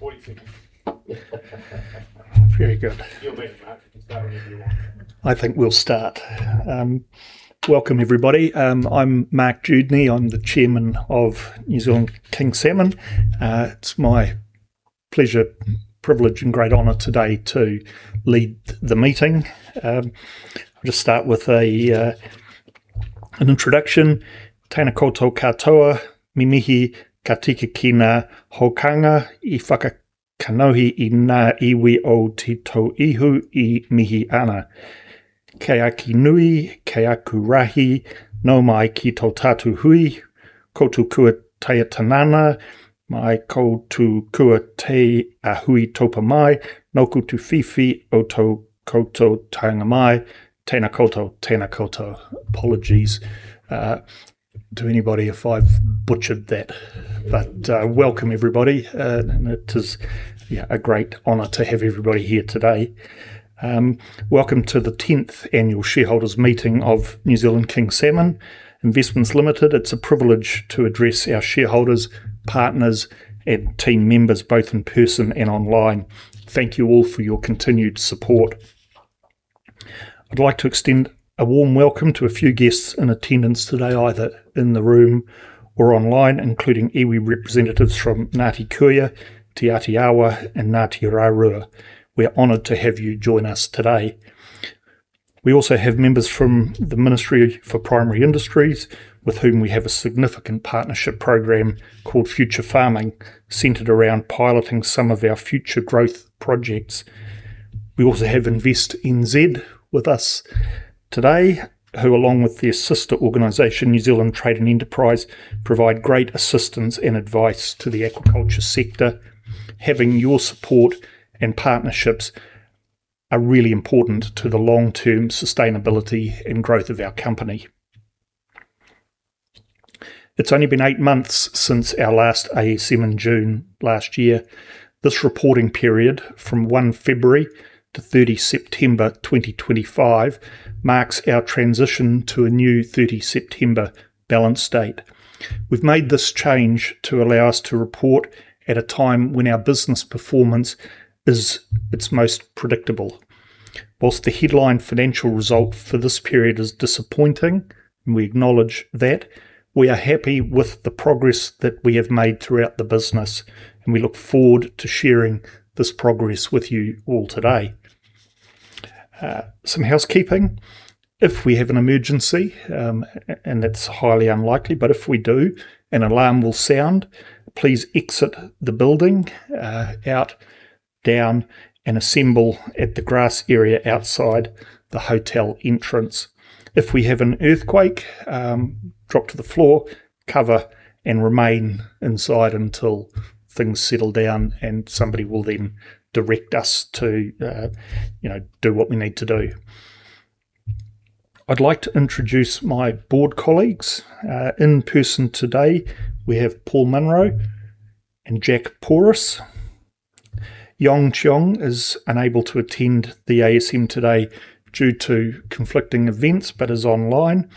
Welcome, everybody. I'm Mark Dewdney. I'm the Chairman of New Zealand King Salmon. It's my pleasure, privilege, and great honor today to lead the meeting. I'll just start with an introduction. Me mihi ka tika ki ngā hunga i whakakanohi i ngā iwi o Te Tauihu e mihi ana. Kei aku nui, kei aku rahi, nau mai ki tō tātou hui. Koutou kua tae ā-tinana, me koutou kua tae ā-huitopa mai, ngā mihi mō tō koutou taenga mai. Tēnā koutou, tēnā koutou. Apologies, to anybody if I've butchered that. But, welcome, everybody, and it is, a great honor to have everybody here today. Welcome to the tenth annual shareholders' meeting of New Zealand King Salmon Investments Limited. It's a privilege to address our shareholders, partners, and team members, both in person and online. Thank you all for your continued support. I'd like to extend a warm welcome to a few guests in attendance today, either in the room or online, including Iwi representatives from Ngāti Kuia, Te Ātiawa, and Ngāti Rārua. We are honored to have you join us today. We also have members from the Ministry for Primary Industries, with whom we have a significant partnership program called Future Farming, centered around piloting some of our future growth projects. We also have Invest NZ with us today, who, along with their sister organization, New Zealand Trade and Enterprise, provide great assistance and advice to the aquaculture sector. Having your support and partnerships are really important to the long-term sustainability and growth of our company. It's only been eight months since our last ASM in June last year. This reporting period, from 1 February to 30 September 2025, marks our transition to a new 30 September balance date. We've made this change to allow us to report at a time when our business performance is its most predictable. While the headline financial result for this period is disappointing, and we acknowledge that, we are happy with the progress that we have made throughout the business, and we look forward to sharing this progress with you all today. Some housekeeping. If we have an emergency, and that's highly unlikely, but if we do, an alarm will sound. Please exit the building, out, down, and assemble at the grass area outside the hotel entrance. If we have an earthquake, drop to the floor, cover, and remain inside until things settle down, and somebody will then direct us to, you know, do what we need to do. I'd like to introduce my board colleagues. In person today, we have Paul Munro and Jack Porus. Yong Zhang is unable to attend the ASM today due to conflicting events, but is online.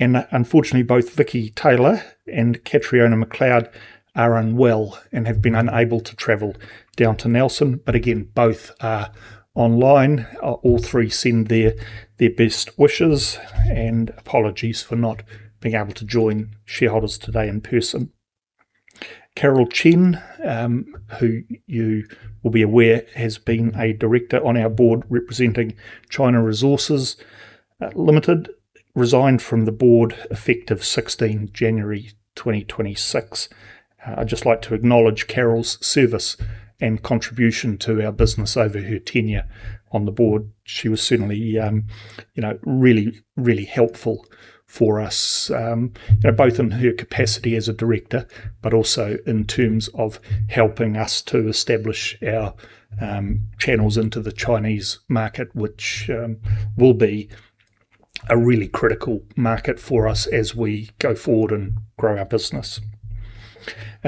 Unfortunately, both Victoria Taylor and Catriona Macleod are unwell and have been unable to travel down to Nelson. But again, both are online. All three send their, their best wishes and apologies for not being able to join shareholders today in person. Carol Chen, who you will be aware, has been a director on our board, representing China Resources Limited, resigned from the board effective 16th January 2026. I'd just like to acknowledge Carol's service and contribution to our business over her tenure on the board. She was certainly, you know, really, really helpful for us, both in her capacity as a director, but also in terms of helping us to establish our, channels into the Chinese market, which, will be a really critical market for us as we go forward and grow our business.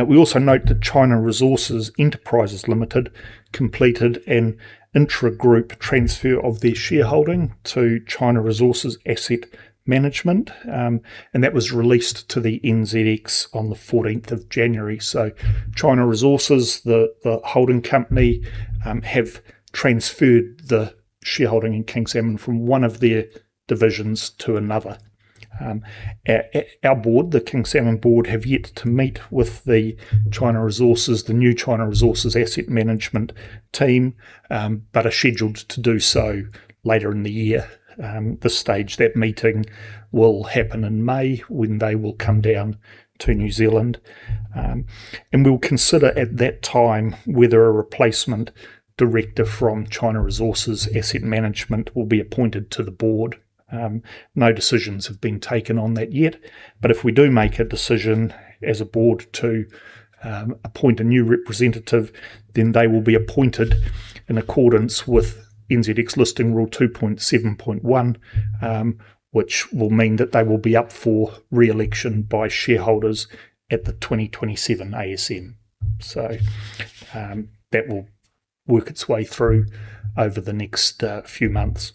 We also note that China Resources Enterprise Limited completed an intra-group transfer of their shareholding to China Resources Asset Management, and that was released to the NZX on the fourteenth of January. So China Resources, the holding company, have transferred the shareholding in King Salmon from one of their divisions to another. Our board, the King Salmon board, have yet to meet with the China Resources, the new China Resources Asset Management team, but are scheduled to do so later in the year. The stage, that meeting will happen in May when they will come down to New Zealand. And we'll consider at that time whether a replacement director from China Resources Asset Management will be appointed to the board. No decisions have been taken on that yet, but if we do make a decision as a board to appoint a new representative, then they will be appointed in accordance with NZX Listing Rule 2.7.1, which will mean that they will be up for re-election by shareholders at the 2027 ASM. So, that will work its way through over the next few months.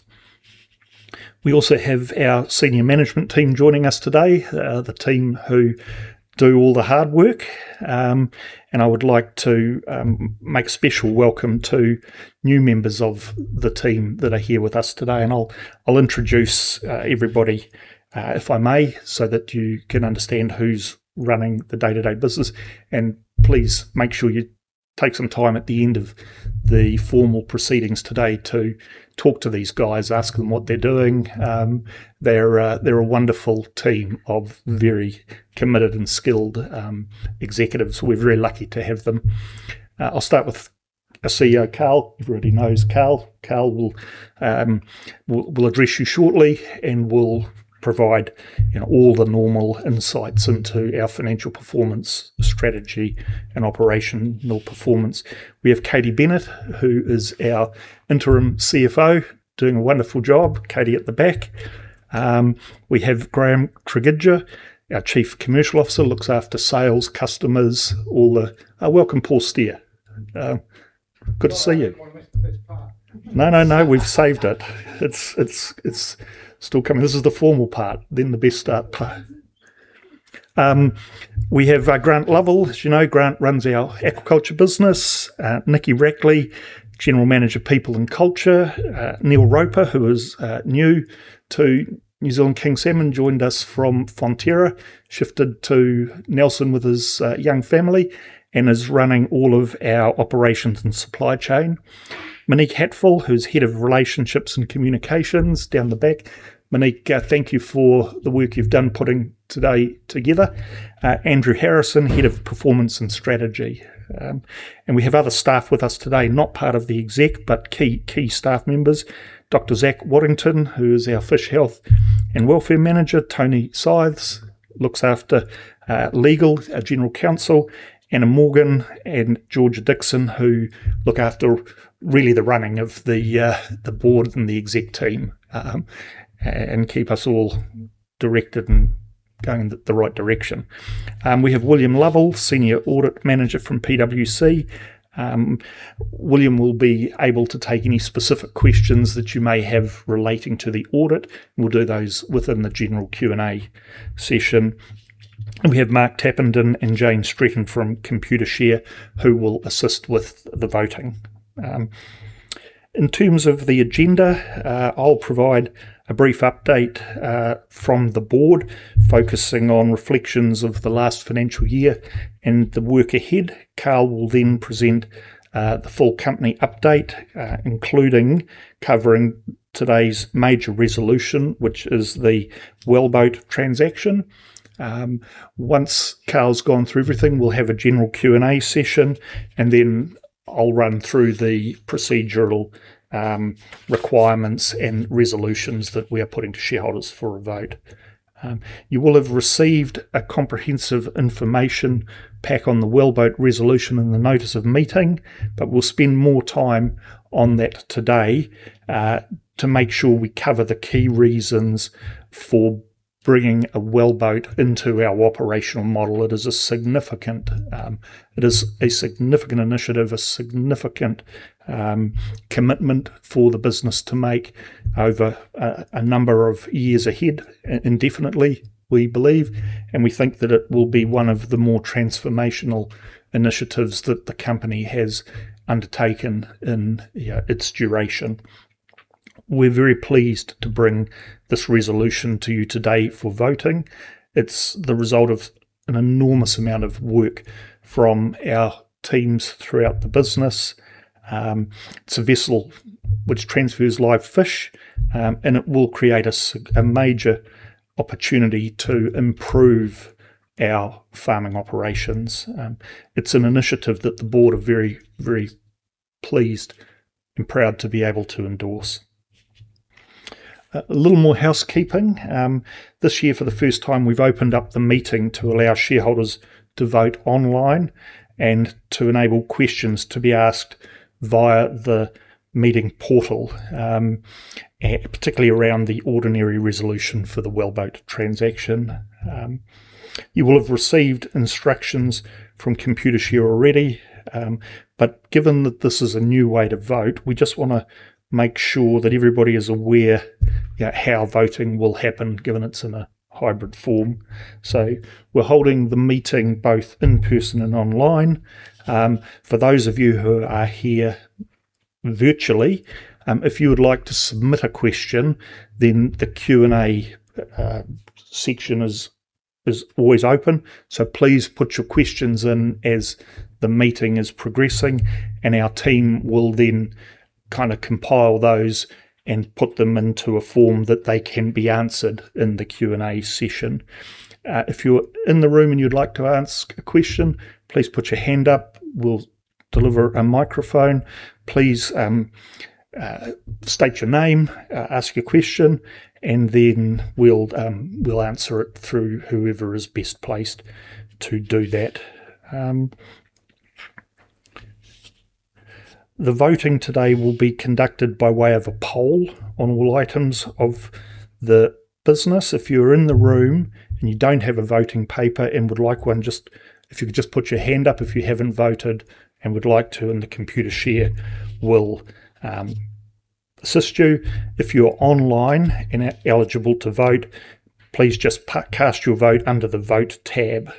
We also have our senior management team joining us today, the team who do all the hard work. And I would like to make special welcome to new members of the team that are here with us today, and I'll introduce everybody if I may, so that you can understand who's running the day-to-day business. Please make sure you take some time at the end of the formal proceedings today to talk to these guys, ask them what they're doing. They're a wonderful team of very committed and skilled executives. We're very lucky to have them. I'll start with our CEO, Carl. Everybody knows Carl. Carl will address you shortly, and will provide, you know, all the normal insights into our financial performance, strategy, and operational performance. We have Katie Bennett, who is our interim CFO, doing a wonderful job. Katie at the back. We have Graeme Tregidga, our Chief Commercial Officer, looks after sales, customers. Welcome, Paul Steer. Good to see you. It's still coming. This is the formal part, then the best part. We have Grant Lovell. As you know, Grant runs our aquaculture business. Nikki Rackley, General Manager, People and Culture. Neil Roper, who is new to New Zealand King Salmon, joined us from Fonterra, shifted to Nelson with his young family and is running all of our operations and supply chain. Monique Hatfull, who's Head of Relationships and Communications, down the back. Monique, thank you for the work you've done putting today together. Andrew Harrison, Head of Performance and Strategy. And we have other staff with us today, not part of the exec, but key, key staff members. Dr. Zac Waddington, who is our Fish Health and Welfare Manager. Toni Sythes looks after legal, our General Counsel. Anna Morgan and Georgia Dixon, who look after really the running of the board and the exec team, and keep us all directed and going the right direction. We have William Lovell, senior audit manager from PwC. William will be able to take any specific questions that you may have relating to the audit. We'll do those within the general Q&A session. We have Mark Tappenden and Jane Strickland from Computershare, who will assist with the voting. In terms of the agenda, I'll provide a brief update from the board, focusing on reflections of the last financial year and the work ahead. Carl will then present the full company update, including covering today's major resolution, which is the wellboat transaction. Once Carl's gone through everything, we'll have a general Q&A session, and then I'll run through the procedural requirements and resolutions that we are putting to shareholders for a vote. You will have received a comprehensive information pack on the wellboat resolution and the notice of meeting, but we'll spend more time on that today to make sure we cover the key reasons for bringing a wellboat into our operational model. It is a significant initiative, a significant commitment for the business to make over a number of years ahead, indefinitely, we believe, and we think that it will be one of the more transformational initiatives that the company has undertaken in its duration. We're very pleased to bring this resolution to you today for voting. It's the result of an enormous amount of work from our teams throughout the business. It's a vessel which transfers live fish, and it will create a major opportunity to improve our farming operations. It's an initiative that the board are very, very pleased and proud to be able to endorse. A little more housekeeping. This year, for the first time, we've opened up the meeting to allow shareholders to vote online and to enable questions to be asked via the meeting portal, particularly around the ordinary resolution for the wellboat transaction. You will have received instructions from Computershare already, but given that this is a new way to vote, we just wanna make sure that everybody is aware how voting will happen, given it's in a hybrid form. So we're holding the meeting both in person and online. For those of you who are here virtually, if you would like to submit a question, then the Q&A section is always open. So please put your questions in as the meeting is progressing, and our team will then kind of compile those and put them into a form that they can be answered in the Q&A session. If you're in the room and you'd like to ask a question, please put your hand up. We'll deliver a microphone. Please state your name, ask your question, and then we'll answer it through whoever is best placed to do that. The voting today will be conducted by way of a poll on all items of the business. If you're in the room and you don't have a voting paper and would like one, just, if you could just put your hand up if you haven't voted and would like to, and Computershare will assist you. If you're online and eligible to vote, please just cast your vote under the Vote tab.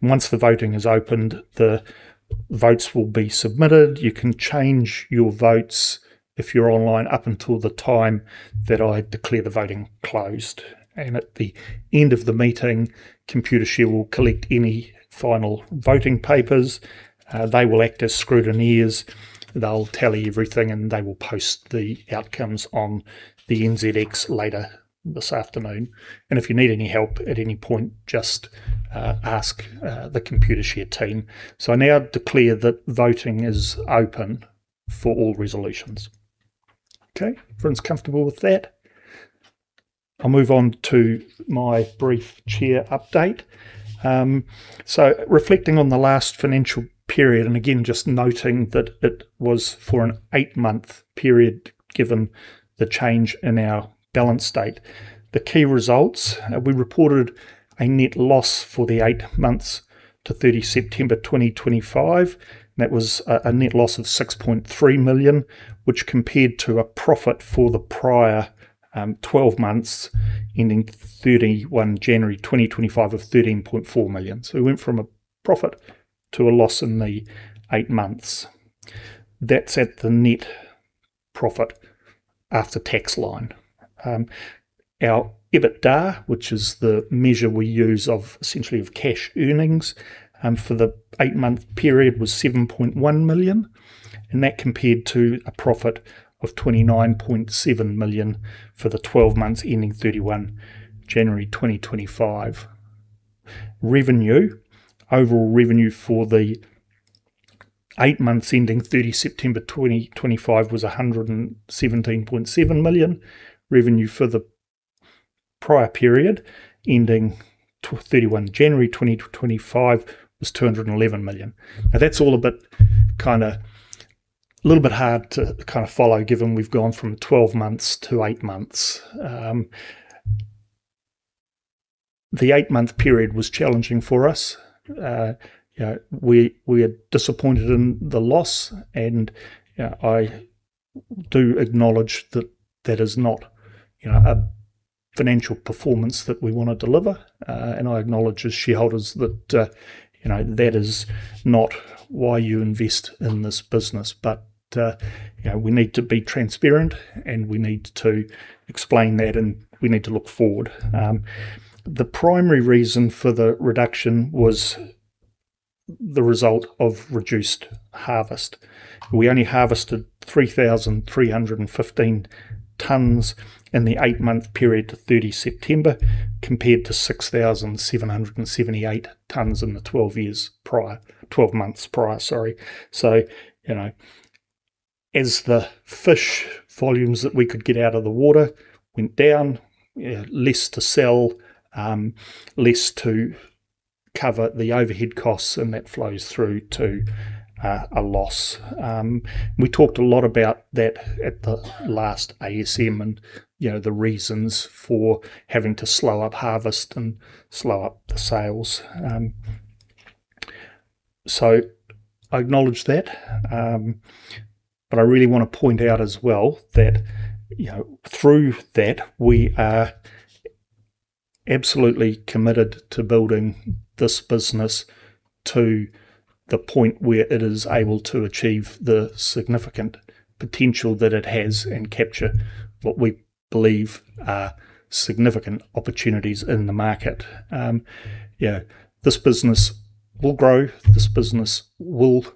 Once the voting is opened, the votes will be submitted. You can change your votes if you're online, up until the time that I declare the voting closed. At the end of the meeting, Computershare will collect any final voting papers. They will act as scrutineers. They'll tally everything, and they will post the outcomes on the NZX later this afternoon. If you need any help at any point, just ask the Computershare team. So I now declare that voting is open for all resolutions. Okay. Everyone's comfortable with that? I'll move on to my brief chair update. So reflecting on the last financial period, and again, just noting that it was for an eight-month period, given the change in our balance date. The key results, we reported a net loss for the eight months to 30 September 2025. That was a net loss of 6.3 million, which compared to a profit for the prior twelve months, ending 31 January 2025 of 13.4 million. So we went from a profit to a loss in the eight months. That's at the net profit after tax line. Our EBITDA, which is the measure we use of essentially of cash earnings, for the eight-month period, was 7.1 million, and that compared to a profit of 29.7 million for the twelve months ending 31 January 2025. Revenue. Overall revenue for the eight months ending 30 September 2025 was 117.7 million. Revenue for the prior period, ending 31 January 2025, was 211 million. Now, that's all a little bit hard to kind of follow, given we've gone from 12 months to eight months. The eight-month period was challenging for us. You know, we, we are disappointed in the loss, and I do acknowledge that that is not, you know, a financial performance that we want to deliver. And I acknowledge as shareholders that, you know, that is not why you invest in this business. But, you know, we need to be transparent, and we need to explain that, and we need to look forward. The primary reason for the reduction was the result of reduced harvest. We only harvested 3,315 tons in the 8-month period to 30 September, compared to 6,778 tons in the 12 years prior. 12 months prior, sorry. So, you know, as the fish volumes that we could get out of the water went down, less to sell, less to cover the overhead costs, and that flows through to a loss. We talked a lot about that at the last ASM and the reasons for having to slow up harvest and slow up the sales. So I acknowledge that. But I really want to point out as well that through that, we are absolutely committed to building this business to the point where it is able to achieve the significant potential that it has and capture what we believe are significant opportunities in the market. This business will grow, this business will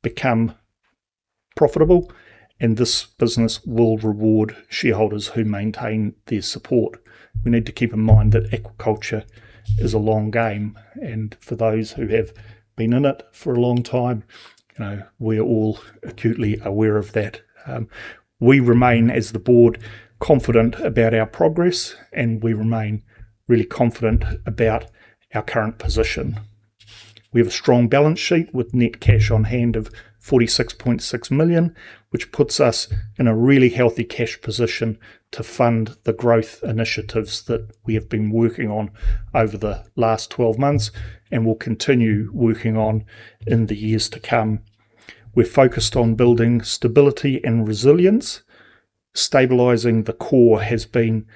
become profitable, and this business will reward shareholders who maintain their support. We need to keep in mind that aquaculture is a long game, and for those who have been in it for a long time, you know, we're all acutely aware of that. We remain, as the board, confident about our progress, and we remain really confident about our current position. We have a strong balance sheet with net cash on hand of 46.6 million, which puts us in a really healthy cash position to fund the growth initiatives that we have been working on over the last 12 months and will continue working on in the years to come. We're focused on building stability and resilience. Stabilizing the core has been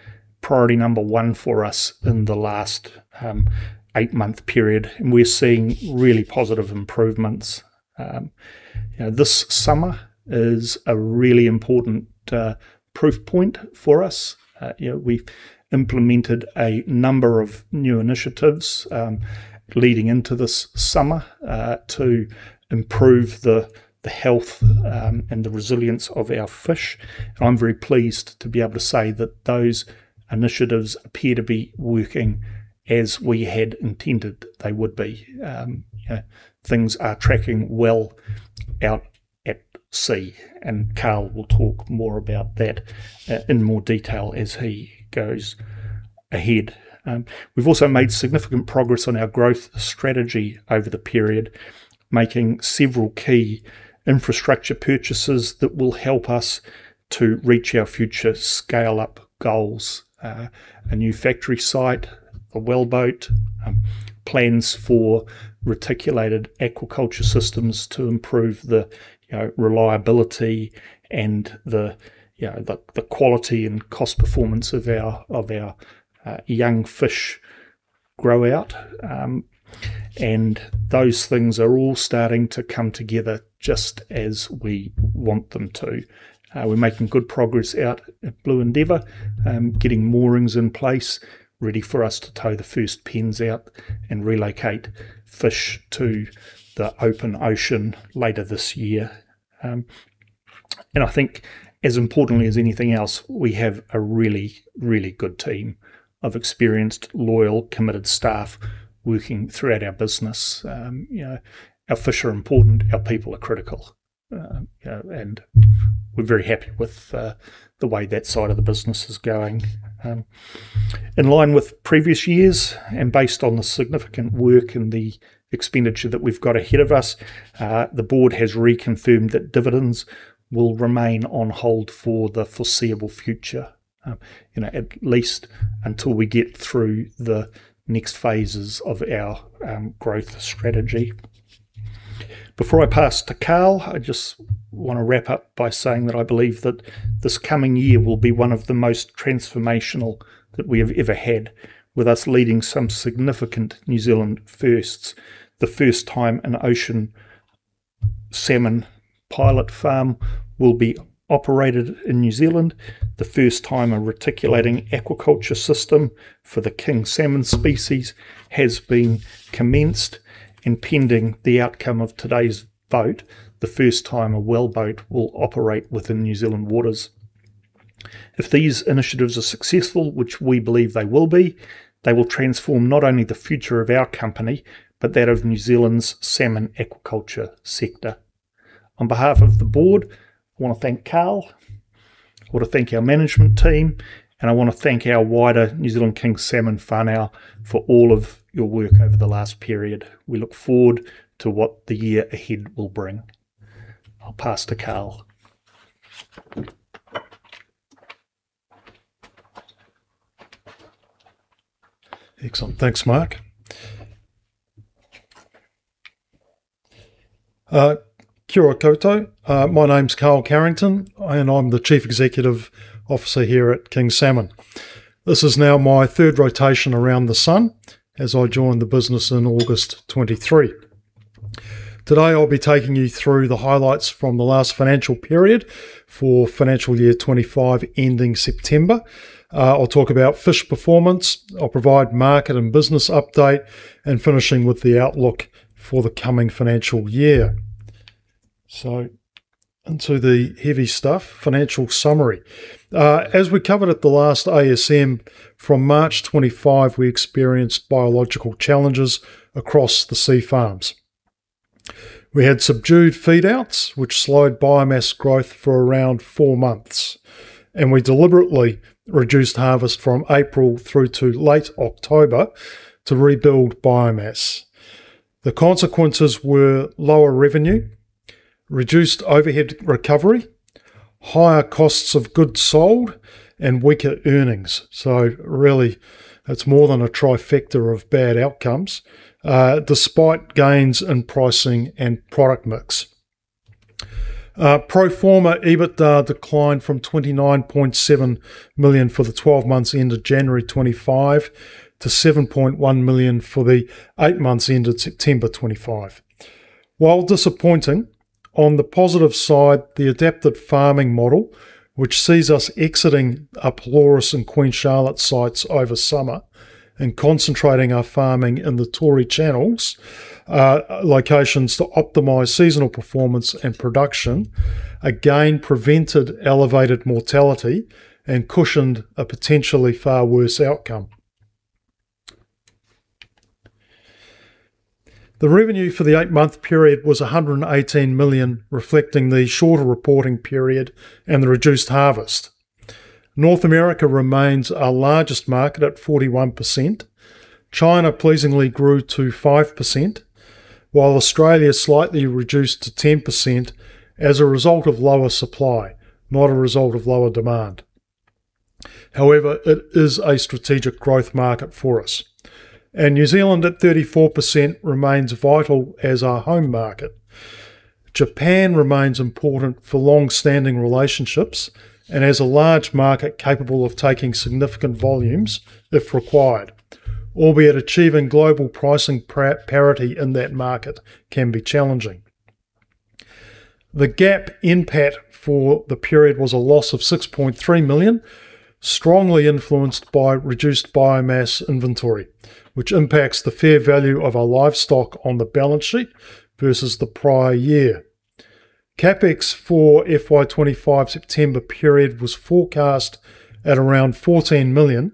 priority number 1 for us in the last 8-month period, and we're seeing really positive improvements. You know, this summer is a really important proof point for us. You know, we've implemented a number of new initiatives leading into this summer to improve the health and the resilience of our fish. And I'm very pleased to be able to say that those initiatives appear to be working as we had intended they would be. Things are tracking well out at sea, and Carl will talk more about that in more detail as he goes ahead. We've also made significant progress on our growth strategy over the period, making several key infrastructure purchases that will help us to reach our future scale-up goals. A new factory site, a wellboat, plans for recirculating aquaculture systems to improve the, you know, reliability and the, you know, the, the quality and cost performance of our, of our, young fish grow out. Those things are all starting to come together just as we want them to. We're making good progress out at Blue Endeavour, getting moorings in place, ready for us to tow the first pens out and relocate fish to the open ocean later this year. I think as importantly as anything else, we have a really, really good team of experienced, loyal, committed staff working throughout our business. You know, our fish are important, our people are critical. We're very happy with the way that side of the business is going. In line with previous years and based on the significant work and the expenditure that we've got ahead of us, the board has reconfirmed that dividends will remain on hold for the foreseeable future. You know, at least until we get through the next phases of our growth strategy. Before I pass to Carl, I just want to wrap up by saying that I believe that this coming year will be one of the most transformational that we have ever had, with us leading some significant New Zealand firsts. The first time an ocean salmon pilot farm will be operated in New Zealand, the first time a recirculating aquaculture system for the king salmon species has been commenced, and pending the outcome of today's vote, the first time a wellboat will operate within New Zealand waters. If these initiatives are successful, which we believe they will be, they will transform not only the future of our company, but that of New Zealand's salmon aquaculture sector. On behalf of the board, I want to thank Carl, I want to thank our management team, and I want to thank our wider New Zealand King Salmon whānau for all of your work over the last period. We look forward to what the year ahead will bring. I'll pass to Carl. Excellent. Thanks, Mark. Kia ora koutou. My name's Carl Carrington, and I'm the Chief Executive Officer here at King Salmon. This is now my third rotation around the sun as I joined the business in August 2023. Today, I'll be taking you through the highlights from the last financial period for financial year 2025, ending September. I'll talk about fish performance, I'll provide market and business update, and finishing with the outlook for the coming financial year. Onto the heavy stuff, financial summary. As we covered at the last ASM, from March 2025, we experienced biological challenges across the sea farms. We had subdued feed outs, which slowed biomass growth for around four months, and we deliberately reduced harvest from April through to late October to rebuild biomass. The consequences were lower revenue, reduced overhead recovery, higher costs of goods sold, and weaker earnings. Really, it's more than a trifecta of bad outcomes, despite gains in pricing and product mix. Pro forma, EBIT declined from 29.7 million for the twelve months ended January 2025, to 7.1 million for the eight months ended September 2025. While disappointing, on the positive side, the adapted farming model, which sees us exiting our Pelorus and Queen Charlotte sites over summer and concentrating our farming in the Tory Channel locations to optimize seasonal performance and production, again, prevented elevated mortality and cushioned a potentially far worse outcome. The revenue for the eight-month period was 118 million, reflecting the shorter reporting period and the reduced harvest. North America remains our largest market at 41%. China pleasingly grew to 5%, while Australia slightly reduced to 10% as a result of lower supply, not a result of lower demand. However, it is a strategic growth market for us, and New Zealand, at 34%, remains vital as our home market. Japan remains important for long-standing relationships and has a large market capable of taking significant volumes if required, albeit achieving global pricing parity in that market can be challenging. The FY NPAT for the period was a loss of 6.3 million, strongly influenced by reduced biomass inventory, which impacts the fair value of our livestock on the balance sheet versus the prior year. CapEx for FY 2025 September period was forecast at around 14 million,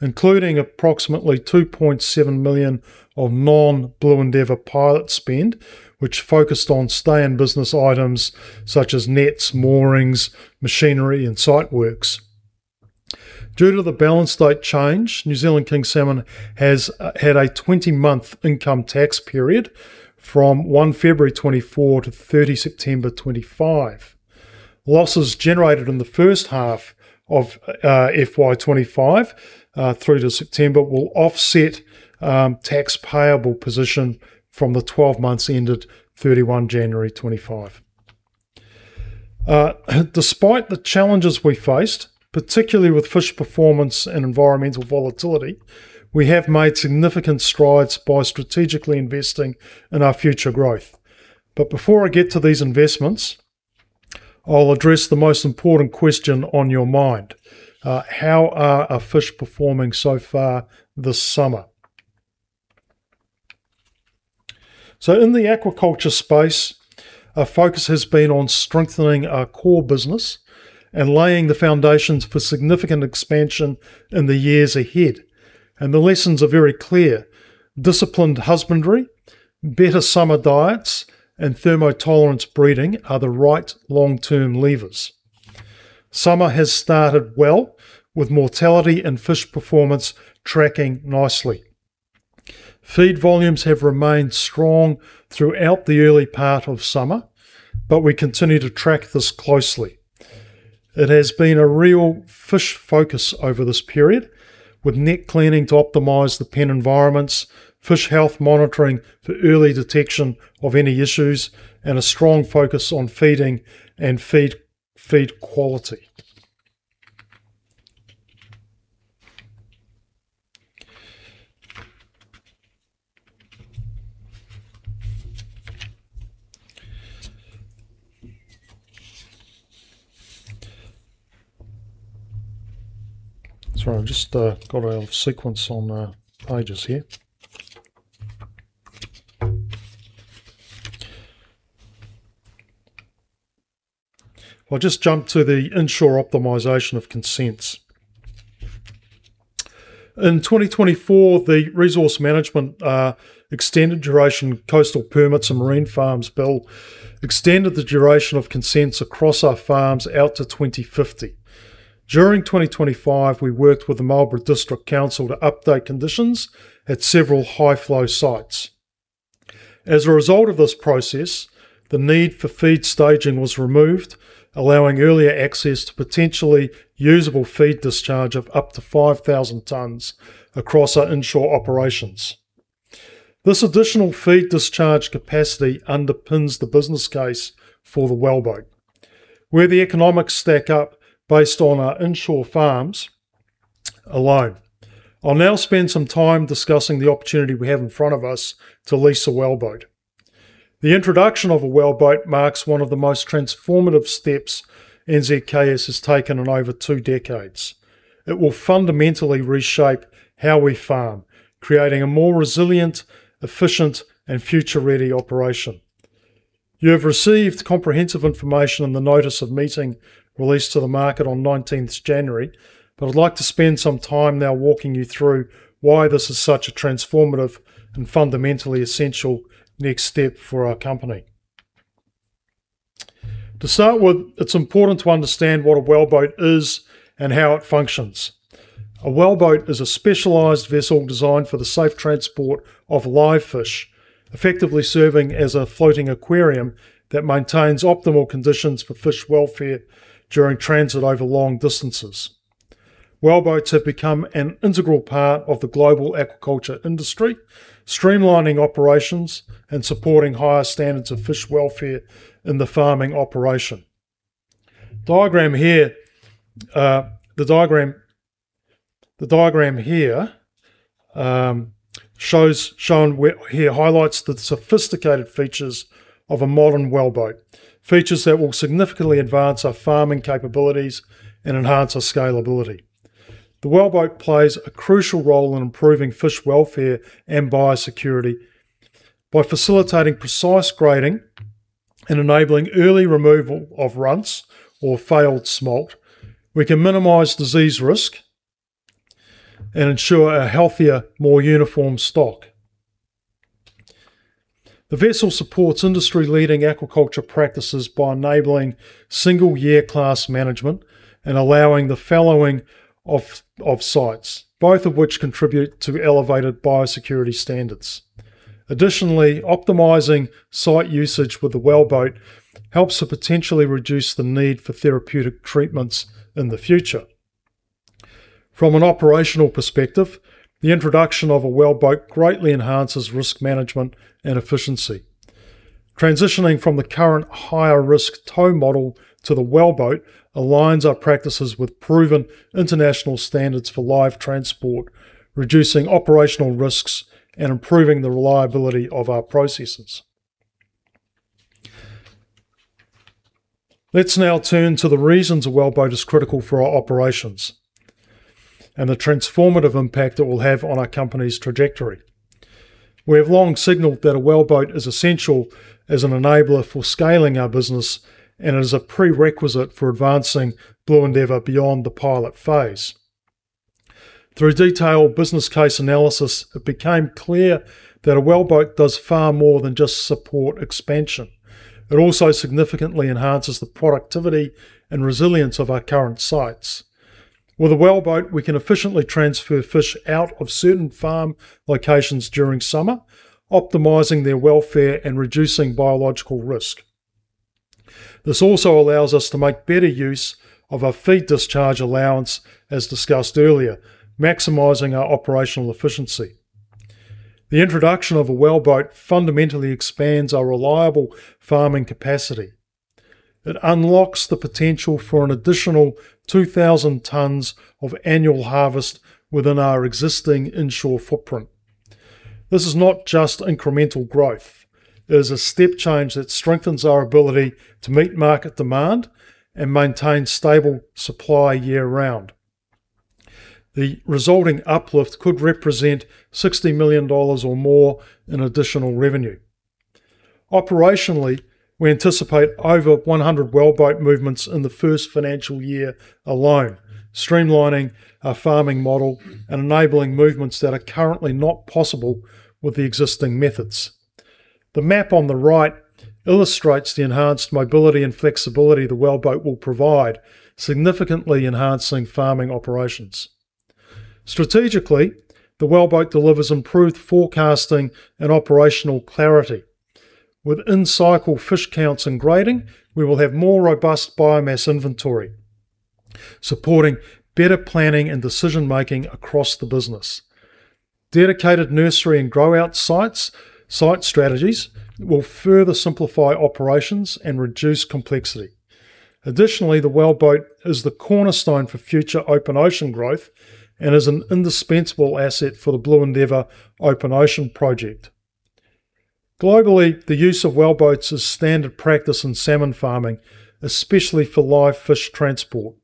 including approximately 2.7 million of non-Blue Endeavour pilot spend, which focused on stay-in-business items such as nets, moorings, machinery, and site works. Due to the balance date change, New Zealand King Salmon has had a 20-month income tax period from 1 February 2024 to 30 September 2025. Losses generated in the first half of FY 2025 through to September will offset tax payable position from the 12 months ended 31 January 2025. Despite the challenges we faced, particularly with fish performance and environmental volatility, we have made significant strides by strategically investing in our future growth. But before I get to these investments, I'll address the most important question on your mind: how are our fish performing so far this summer? So in the aquaculture space, our focus has been on strengthening our core business and laying the foundations for significant expansion in the years ahead, and the lessons are very clear. Disciplined husbandry, better summer diets, and thermotolerance breeding are the right long-term levers. Summer has started well, with mortality and fish performance tracking nicely. Feed volumes have remained strong throughout the early part of summer, but we continue to track this closely. It has been a real fish focus over this period, with net cleaning to optimize the pen environments, fish health monitoring for early detection of any issues, and a strong focus on feeding and feed, feed quality. Sorry, I've just got out of sequence on pages here. I'll just jump to the inshore optimization of consents. In 2024, the Resource Management Extended Duration Coastal Permits and Marine Farms Bill extended the duration of consents across our farms out to 2050. During 2025, we worked with the Marlborough District Council to update conditions at several high-flow sites. As a result of this process, the need for feed staging was removed, allowing earlier access to potentially usable feed discharge of up to 5,000 tons across our inshore operations. This additional feed discharge capacity underpins the business case for the wellboat, where the economics stack up based on our inshore farms alone. I'll now spend some time discussing the opportunity we have in front of us to lease a wellboat. The introduction of a wellboat marks one of the most transformative steps NZKS has taken in over two decades. It will fundamentally reshape how we farm, creating a more resilient, efficient, and future-ready operation. You have received comprehensive information on the notice of meeting released to the market on 19th January, but I'd like to spend some time now walking you through why this is such a transformative and fundamentally essential next step for our company. To start with, it's important to understand what a wellboat is and how it functions. A wellboat is a specialized vessel designed for the safe transport of live fish, effectively serving as a floating aquarium that maintains optimal conditions for fish welfare during transit over long distances. Wellboats have become an integral part of the global aquaculture industry, streamlining operations and supporting higher standards of fish welfare in the farming operation. The diagram here highlights the sophisticated features of a modern wellboat, features that will significantly advance our farming capabilities and enhance our scalability. The wellboat plays a crucial role in improving fish welfare and biosecurity. By facilitating precise grading and enabling early removal of runts or failed smolt, we can minimize disease risk and ensure a healthier, more uniform stock. The vessel supports industry-leading aquaculture practices by enabling single year class management and allowing the fallowing of sites, both of which contribute to elevated biosecurity standards. Additionally, optimizing site usage with the wellboat helps to potentially reduce the need for therapeutic treatments in the future. From an operational perspective, the introduction of a wellboat greatly enhances risk management and efficiency. Transitioning from the current higher risk tow model to the wellboat aligns our practices with proven international standards for live transport, reducing operational risks and improving the reliability of our processes. Let's now turn to the reasons a wellboat is critical for our operations and the transformative impact it will have on our company's trajectory. We have long signaled that a wellboat is essential as an enabler for scaling our business and is a prerequisite for advancing Blue Endeavour beyond the pilot phase. Through detailed business case analysis, it became clear that a wellboat does far more than just support expansion. It also significantly enhances the productivity and resilience of our current sites. With a wellboat, we can efficiently transfer fish out of certain farm locations during summer, optimizing their welfare and reducing biological risk. This also allows us to make better use of our feed discharge allowance, as discussed earlier, maximizing our operational efficiency. The introduction of a wellboat fundamentally expands our reliable farming capacity. It unlocks the potential for an additional 2,000 tons of annual harvest within our existing inshore footprint. This is not just incremental growth, it is a step change that strengthens our ability to meet market demand and maintain stable supply year-round. The resulting uplift could represent 60 million dollars or more in additional revenue. Operationally, we anticipate over 100 wellboat movements in the first financial year alone, streamlining our farming model and enabling movements that are currently not possible with the existing methods. The map on the right illustrates the enhanced mobility and flexibility the wellboat will provide, significantly enhancing farming operations. Strategically, the wellboat delivers improved forecasting and operational clarity. With in-cycle fish counts and grading, we will have more robust biomass inventory, supporting better planning and decision-making across the business. Dedicated nursery and grow out sites, site strategies will further simplify operations and reduce complexity. Additionally, the wellboat is the cornerstone for future open ocean growth and is an indispensable asset for the Blue Endeavour open ocean project. Globally, the use of wellboats is standard practice in salmon farming, especially for live fish transport.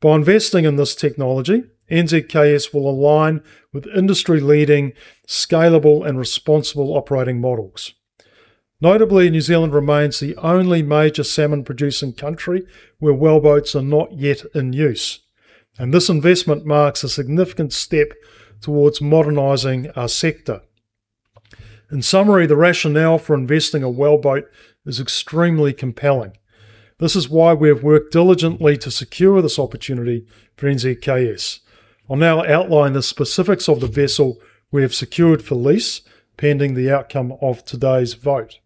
By investing in this technology, NZKS will align with industry-leading, scalable, and responsible operating models. Notably, New Zealand remains the only major salmon-producing country where wellboats are not yet in use, and this investment marks a significant step towards modernizing our sector. In summary, the rationale for investing a wellboat is extremely compelling. This is why we have worked diligently to secure this opportunity for NZKS. I'll now outline the specifics of the vessel we have secured for lease, pending the outcome of today's vote.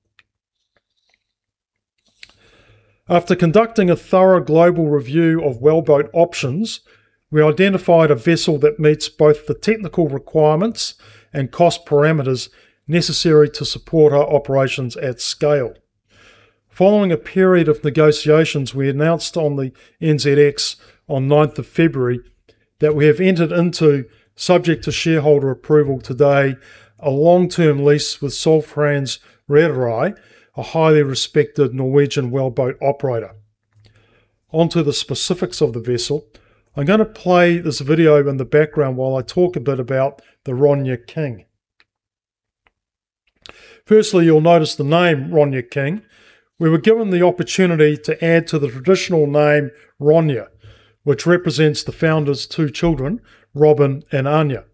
After conducting a thorough global review of wellboat options, we identified a vessel that meets both the technical requirements and cost parameters necessary to support our operations at scale. Following a period of negotiations, we announced on the NZX on ninth of February that we have entered into, subject to shareholder approval today, a long-term lease with Sølvtrans, a highly respected Norwegian wellboat operator. Onto the specifics of the vessel. I'm gonna play this video in the background while I talk a bit about the Ronja King. Firstly, you'll notice the name Ronja King. We were given the opportunity to add to the traditional name, Ronja, which represents the founder's two children, Robin and Anja,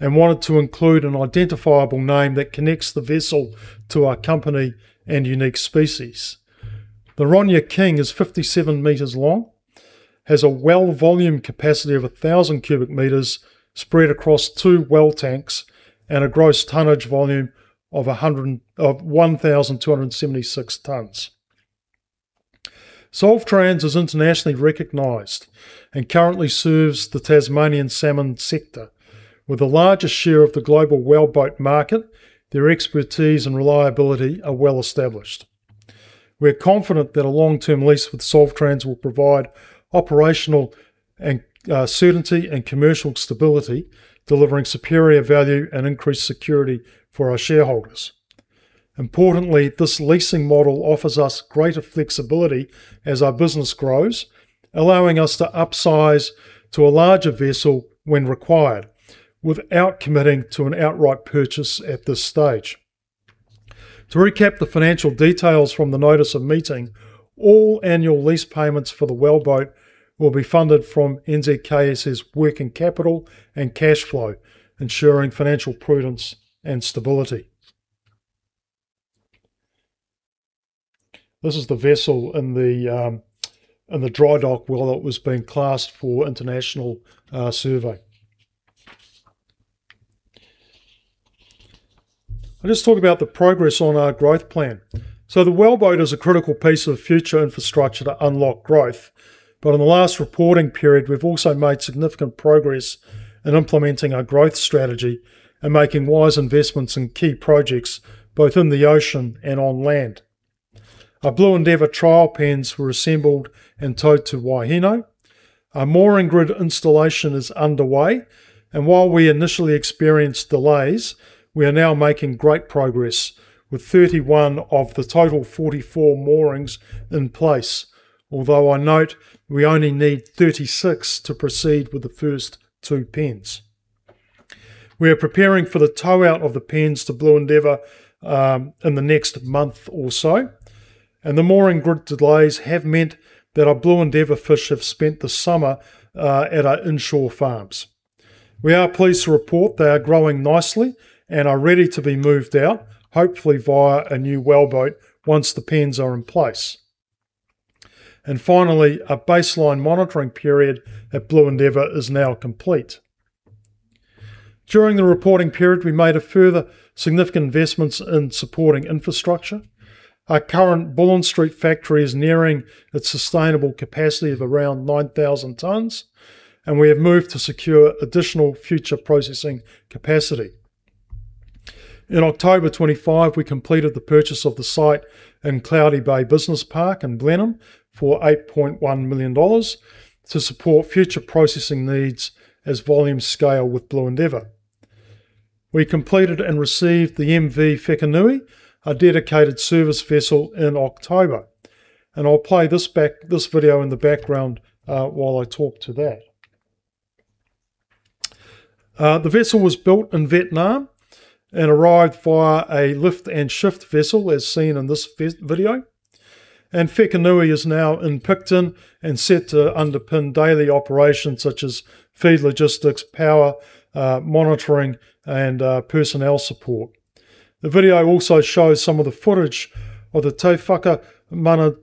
and wanted to include an identifiable name that connects the vessel to our company and unique species. The Ronja King is 57 meters long, has a well volume capacity of 1,000 cubic meters spread across two well tanks and a gross tonnage volume of 1,276 tons. Sølvtrans is internationally recognized and currently serves the Tasmanian salmon sector. With the largest share of the global wellboat market, their expertise and reliability are well established. We are confident that a long-term lease with Sølvtrans will provide operational and certainty and commercial stability, delivering superior value and increased security for our shareholders. Importantly, this leasing model offers us greater flexibility as our business grows, allowing us to upsize to a larger vessel when required, without committing to an outright purchase at this stage. To recap the financial details from the notice of meeting, all annual lease payments for the wellboat will be funded from NZKSS working capital and cash flow, ensuring financial prudence and stability. This is the vessel in the dry dock while it was being classed for international survey. I'll just talk about the progress on our growth plan. So the wellboat is a critical piece of future infrastructure to unlock growth, but in the last reporting period, we've also made significant progress in implementing our growth strategy and making wise investments in key projects, both in the ocean and on land. Our Blue Endeavour trial pens were assembled and towed to Waikawa. Our mooring grid installation is underway, and while we initially experienced delays, we are now making great progress, with 31 of the total 44 moorings in place. Although I note we only need 36 to proceed with the first two pens. We are preparing for the tow out of the pens to Blue Endeavour in the next month or so, and the mooring grid delays have meant that our Blue Endeavour fish have spent the summer at our inshore farms. We are pleased to report they are growing nicely and are ready to be moved out, hopefully via a new wellboat, once the pens are in place. And finally, a baseline monitoring period at Blue Endeavour is now complete. During the reporting period, we made a further significant investments in supporting infrastructure. Our current Bullen Street factory is nearing its sustainable capacity of around 9,000 tonnes, and we have moved to secure additional future processing capacity. In October 2025, we completed the purchase of the site in Cloudy Bay Business Park in Blenheim for 8.1 million dollars to support future processing needs as volumes scale with Blue Endeavour. We completed and received the MV Whakanui, our dedicated service vessel, in October, and I'll play this back, this video in the background, while I talk to that. The vessel was built in Vietnam and arrived via a lift-and-shift vessel, as seen in this video. Whakanui is now in Picton and set to underpin daily operations such as feed logistics, power, monitoring, and personnel support. The video also shows some of the footage of the tautoko whakanui,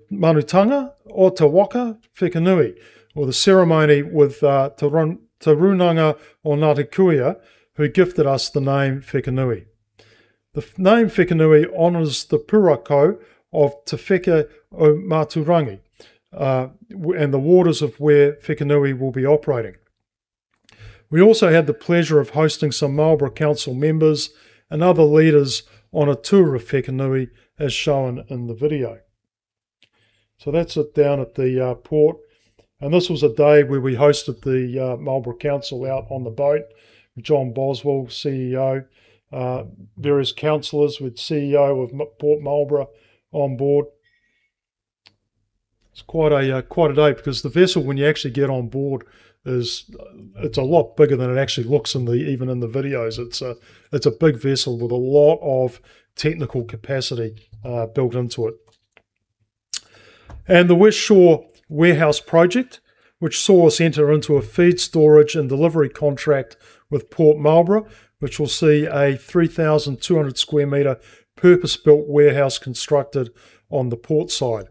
or the ceremony with Te Rūnanga o Ngāti Kuia, who gifted us the name Whakanui. The name Whakanui honours the pūrākau of Te Wheke-ā-Muturangi and the waters of where Whakanui will be operating. We also had the pleasure of hosting some Marlborough Council members and other leaders on a tour of Whakanui, as shown in the video. So that's it down at the port, and this was a day where we hosted the Marlborough Council out on the boat, with John Boswell, CEO, various Councillors, with CEO of Port Marlborough on board. It's quite a day, because the vessel, when you actually get on board, is. It's a lot bigger than it actually looks in the videos. It's a big vessel with a lot of technical capacity built into it. And the Westshore warehouse project, which saw us enter into a feed storage and delivery contract with Port Marlborough, which will see a 3,200 square meter purpose-built warehouse constructed on the port side.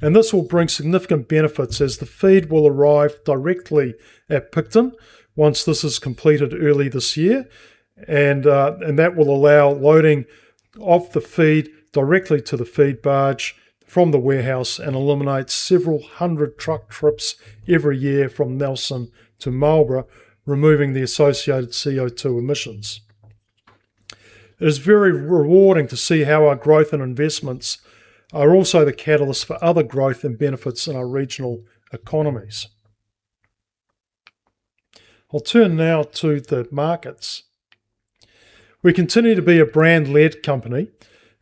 This will bring significant benefits, as the feed will arrive directly at Picton once this is completed early this year, and that will allow loading of the feed directly to the feed barge from the warehouse and eliminate several hundred truck trips every year from Nelson to Marlborough, removing the associated CO2 emissions. It is very rewarding to see how our growth and investments are also the catalyst for other growth and benefits in our regional economies. I'll turn now to the markets. We continue to be a brand-led company,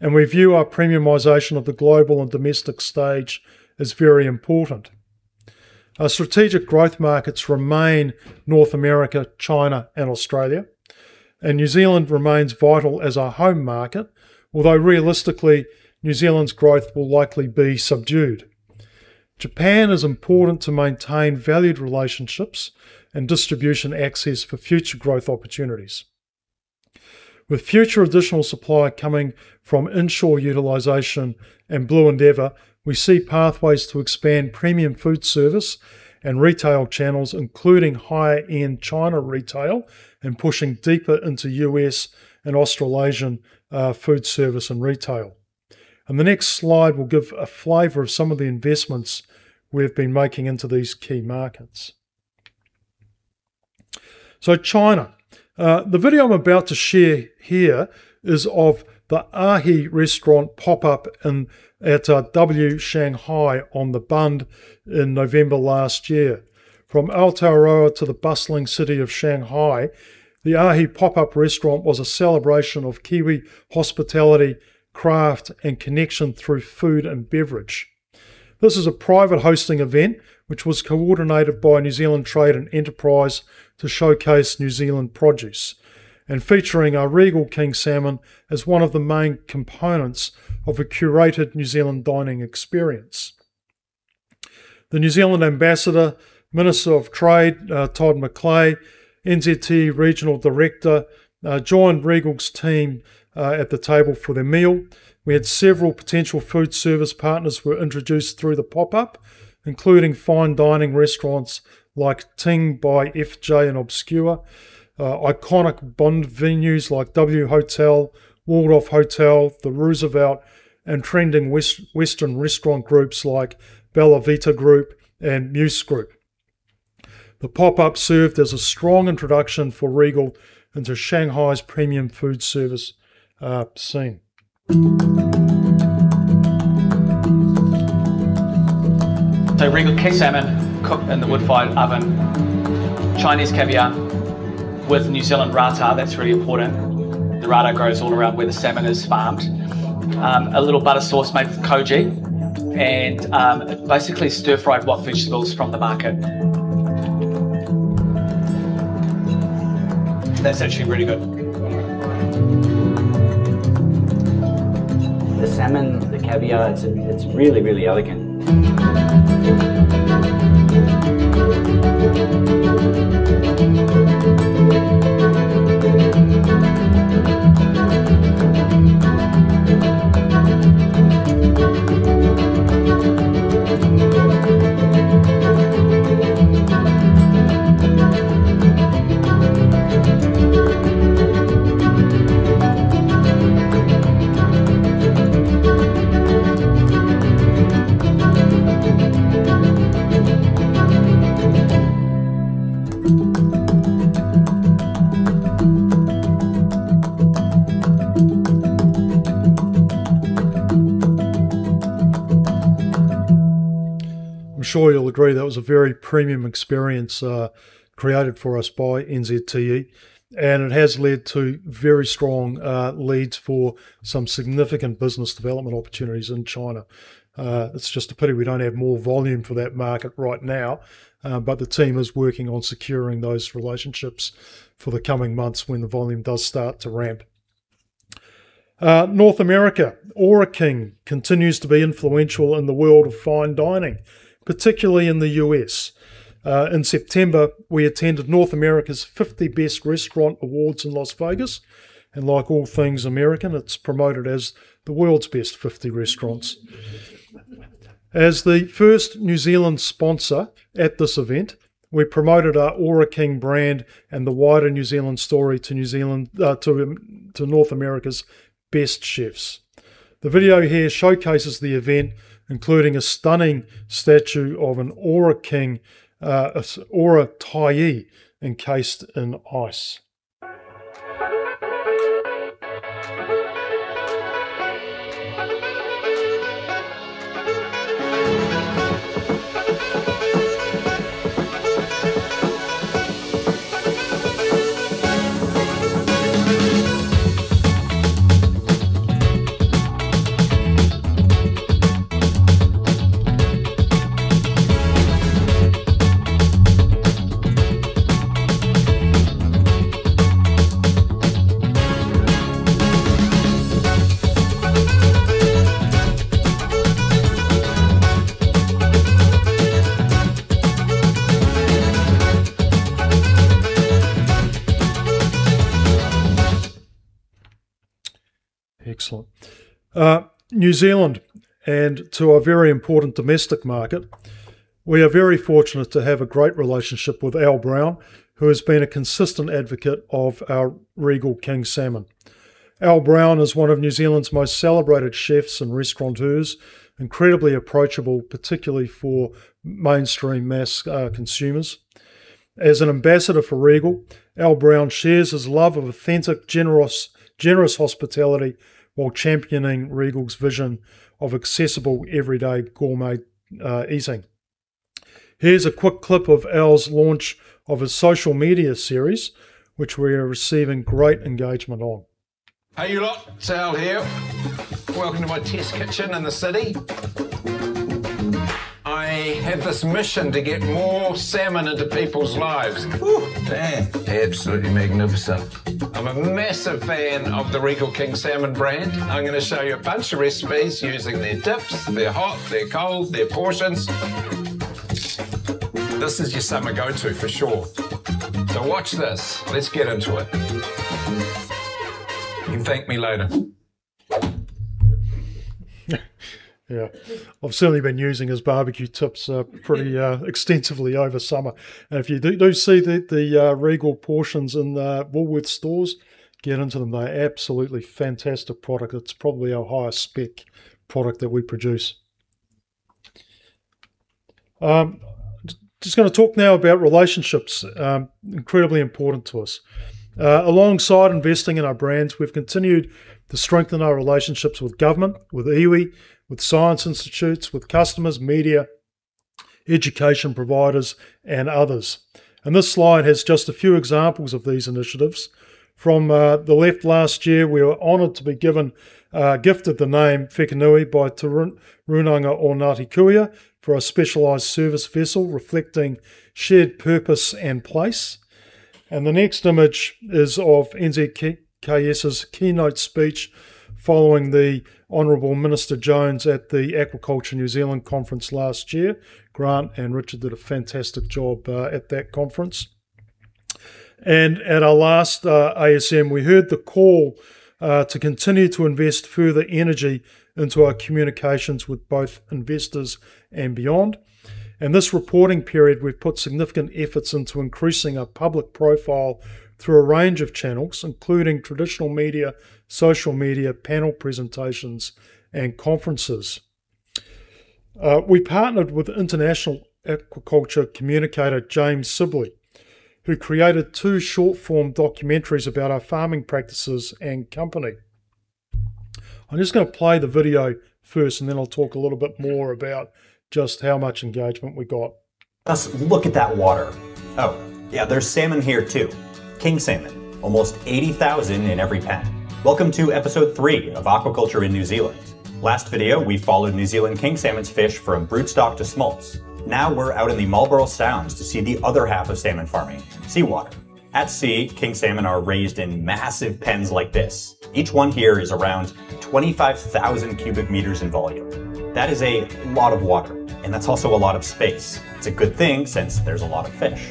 and we view our premiumization of the global and domestic stage as very important. Our strategic growth markets remain North America, China, and Australia, and New Zealand remains vital as our home market, although realistically, New Zealand's growth will likely be subdued. Japan is important to maintain valued relationships and distribution access for future growth opportunities. With future additional supply coming from inshore utilization and Blue Endeavour, we see pathways to expand premium food service and retail channels, including higher-end China retail, and pushing deeper into US and Australasian, food service and retail. The next slide will give a flavor of some of the investments we've been making into these key markets. China. The video I'm about to share here is of the Ahi restaurant pop-up in W Shanghai on the Bund in November last year. From Aotearoa to the bustling city of Shanghai, the Ahi pop-up restaurant was a celebration of Kiwi hospitality, craft, and connection through food and beverage. This is a private hosting event which was coordinated by New Zealand Trade and Enterprise to showcase New Zealand produce, and featuring our Regal King Salmon as one of the main components of a curated New Zealand dining experience. The New Zealand Ambassador, Minister of Trade Todd McClay, NZTE Regional Director joined Regal's team at the table for their meal. We had several potential food service partners were introduced through the pop-up, including fine dining restaurants like Ting by FJ and Obscura, iconic Bund venues like W Hotel, Waldorf Hotel, The Roosevelt, and trending Western restaurant groups like Bella Vita Group and Muse Group. The pop-up served as a strong introduction for Regal into Shanghai's premium food service scene. So Regal King Salmon cooked in the wood-fired oven. Chinese caviar with New Zealand rata, that's really important. The rata grows all around where the salmon is farmed. A little butter sauce made with koji and basically stir-fried wok vegetables from the market. That's actually really good. The salmon, the caviar, it's really, really elegant. I'm sure you'll agree that was a very premium experience, created for us by NZTE, and it has led to very strong leads for some significant business development opportunities in China. It's just a pity we don't have more volume for that market right now, but the team is working on securing those relationships for the coming months when the volume does start to ramp. North America. Ōra King continues to be influential in the world of fine dining, particularly in the US. In September, we attended North America's 50 Best Restaurant Awards in Las Vegas, and like all things American, it's promoted as the world's best 50 restaurants. As the first New Zealand sponsor at this event, we promoted our Ōra King brand and the wider New Zealand story to North America's best chefs. The video here showcases the event, including a stunning statue of an Ōra King, an Ōra Tyee, encased in ice. Excellent. New Zealand, and to our very important domestic market, we are very fortunate to have a great relationship with Al Brown, who has been a consistent advocate of our Regal King Salmon. Al Brown is one of New Zealand's most celebrated chefs and restaurateurs, incredibly approachable, particularly for mainstream mass consumers. As an ambassador for Regal, Al Brown shares his love of authentic, generous, generous hospitality while championing Regal's vision of accessible, everyday gourmet eating. Here's a quick clip of Al's launch of his social media series, which we are receiving great engagement on. Hey, you lot! It's Al here. Welcome to my test kitchen in the city. I have this mission to get more salmon into people's lives. Ooh, man, absolutely magnificent. I'm a massive fan of the Regal King Salmon brand. I'm gonna show you a bunch of recipes using their dips. They're hot, they're cold, they're portions. This is your summer go-to for sure. So watch this. Let's get into it. You can thank me later. I've certainly been using his barbecue tips pretty extensively over summer. And if you do see the Regal portions in the Woolworths stores, get into them. They're absolutely fantastic product. It's probably our highest spec product that we produce. Just going to talk now about relationships, incredibly important to us. Alongside investing in our brands, we've continued to strengthen our relationships with government, with iwi, with science institutes, with customers, media, education providers, and others. And this slide has just a few examples of these initiatives. From the left last year, we were honored to be given, gifted the name Whakanui by Te Rūnanga o Ngāti Kuia for a specialized service vessel reflecting shared purpose and place. The next image is of NZKS's keynote speech following the Honorable Minister Jones at the Aquaculture New Zealand conference last year. Grant and Richard did a fantastic job at that conference. At our last ASM, we heard the call to continue to invest further energy into our communications with both investors and beyond. In this reporting period, we've put significant efforts into increasing our public profile through a range of channels, including traditional media, social media, panel presentations, and conferences. We partnered with international aquaculture communicator James Sibley, who created two short-form documentaries about our farming practices and company. I'm just going to play the video first, and then I'll talk a little bit more about just how much engagement we got. Just look at that water. Oh, yeah, there's salmon here, too. King salmon, almost 80,000 in every pen. Welcome to episode 3 of Aquaculture in New Zealand. Last video, we followed New Zealand King Salmon's fish from broodstock to smolts. Now we're out in the Marlborough Sounds to see the other half of salmon farming, seawater. At sea, king salmon are raised in massive pens like this. Each one here is around 25,000 cubic meters in volume. That is a lot of water, and that's also a lot of space. It's a good thing, since there's a lot of fish.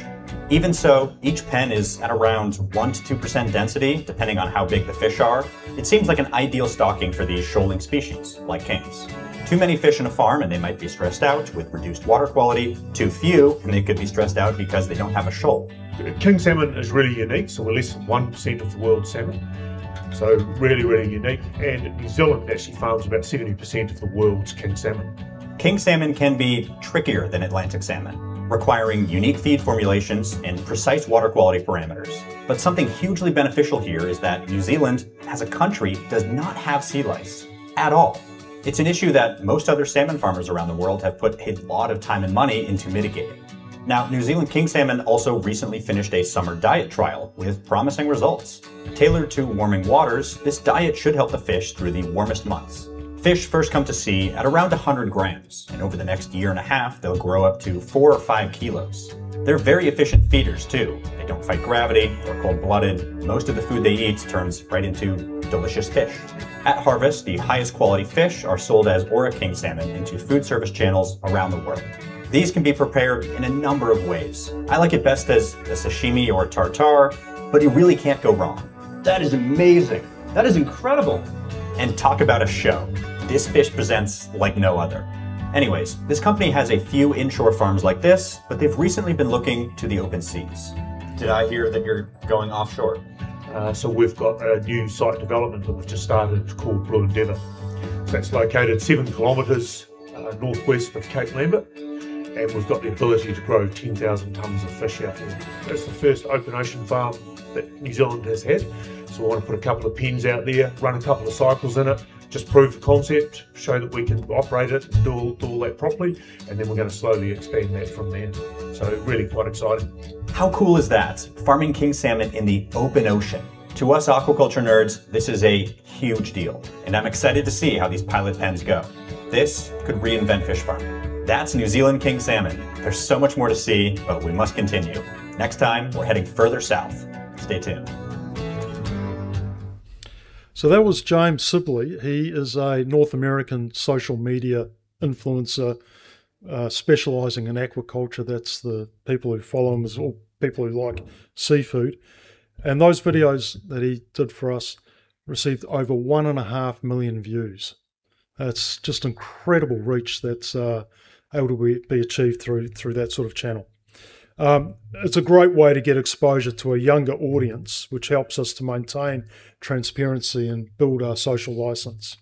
Even so, each pen is at around 1%-2% density, depending on how big the fish are. It seems like an ideal stocking for these shoaling species, like kings. Too many fish in a farm, and they might be stressed out with reduced water quality. Too few, and they could be stressed out because they don't have a shoal. King salmon is really unique, so we're less than 1% of the world's salmon, so really, really unique. New Zealand actually farms about 70% of the world's King salmon. King salmon can be trickier than Atlantic salmon, requiring unique feed formulations and precise water quality parameters. But something hugely beneficial here is that New Zealand, as a country, does not have sea lice at all. It's an issue that most other salmon farmers around the world have put a lot of time and money into mitigating. Now, New Zealand King Salmon also recently finished a summer diet trial with promising results. Tailored to warming waters, this diet should help the fish through the warmest months. Fish first come to sea at around 100 grams, and over the next year and a half, they'll grow up to 4 or 5 kilos. They're very efficient feeders, too. They don't fight gravity. They're cold-blooded. Most of the food they eat turns right into delicious fish. At harvest, the highest quality fish are sold as Ōra King salmon into food service channels around the world. These can be prepared in a number of ways. I like it best as a sashimi or a tartare, but you really can't go wrong. That is amazing! That is incredible. And talk about a show. This fish presents like no other. Anyways, this company has a few inshore farms like this, but they've recently been looking to the open seas. Did I hear that you're going offshore? So we've got a new site development that we've just started. It's called Blue Endeavour. That's located 7 kilometers northwest of Cape Lambert, and we've got the ability to grow 10,000 tons of fish out there. It's the first open ocean farm that New Zealand has had, so I want to put a couple of pens out there, run a couple of cycles in it, just prove the concept, show that we can operate it and do all, do all that properly, and then we're going to slowly expand that from there. So really quite exciting. How cool is that? Farming King salmon in the open ocean. To us aquaculture nerds, this is a huge deal, and I'm excited to see how these pilot pens go. This could reinvent fish farming. That's New Zealand King Salmon. There's so much more to see, but we must continue. Next time, we're heading further south. Stay tuned. So that was James Sibley. He is a North American social media influencer specializing in aquaculture. That's the people who follow him is all people who like seafood. And those videos that he did for us received over 1.5 million views. That's just incredible reach that's able to be achieved through that sort of channel. It's a great way to get exposure to a younger audience, which helps us to maintain transparency and build our social license.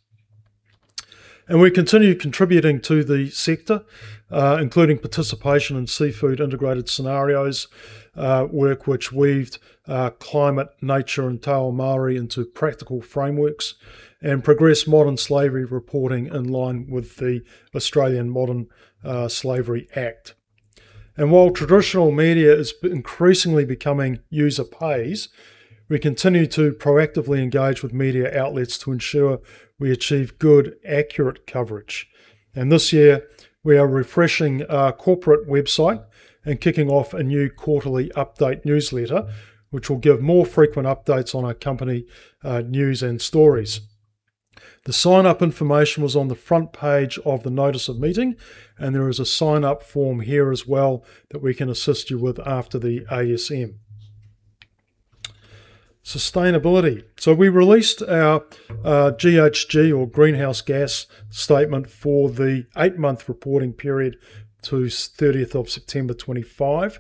And we continue contributing to the sector, including participation in seafood integrated scenarios work which weaved climate, nature, and te reo Māori into practical frameworks and progressed modern slavery reporting in line with the Australian Modern Slavery Act. While traditional media is increasingly becoming user pays, we continue to proactively engage with media outlets to ensure we achieve good, accurate coverage. This year, we are refreshing our corporate website and kicking off a new quarterly update newsletter, which will give more frequent updates on our company, news and stories. The sign-up information was on the front page of the notice of meeting, and there is a sign-up form here as well that we can assist you with after the ASM. Sustainability. We released our GHG, or greenhouse gas, statement for the eight-month reporting period to thirtieth of September 2025,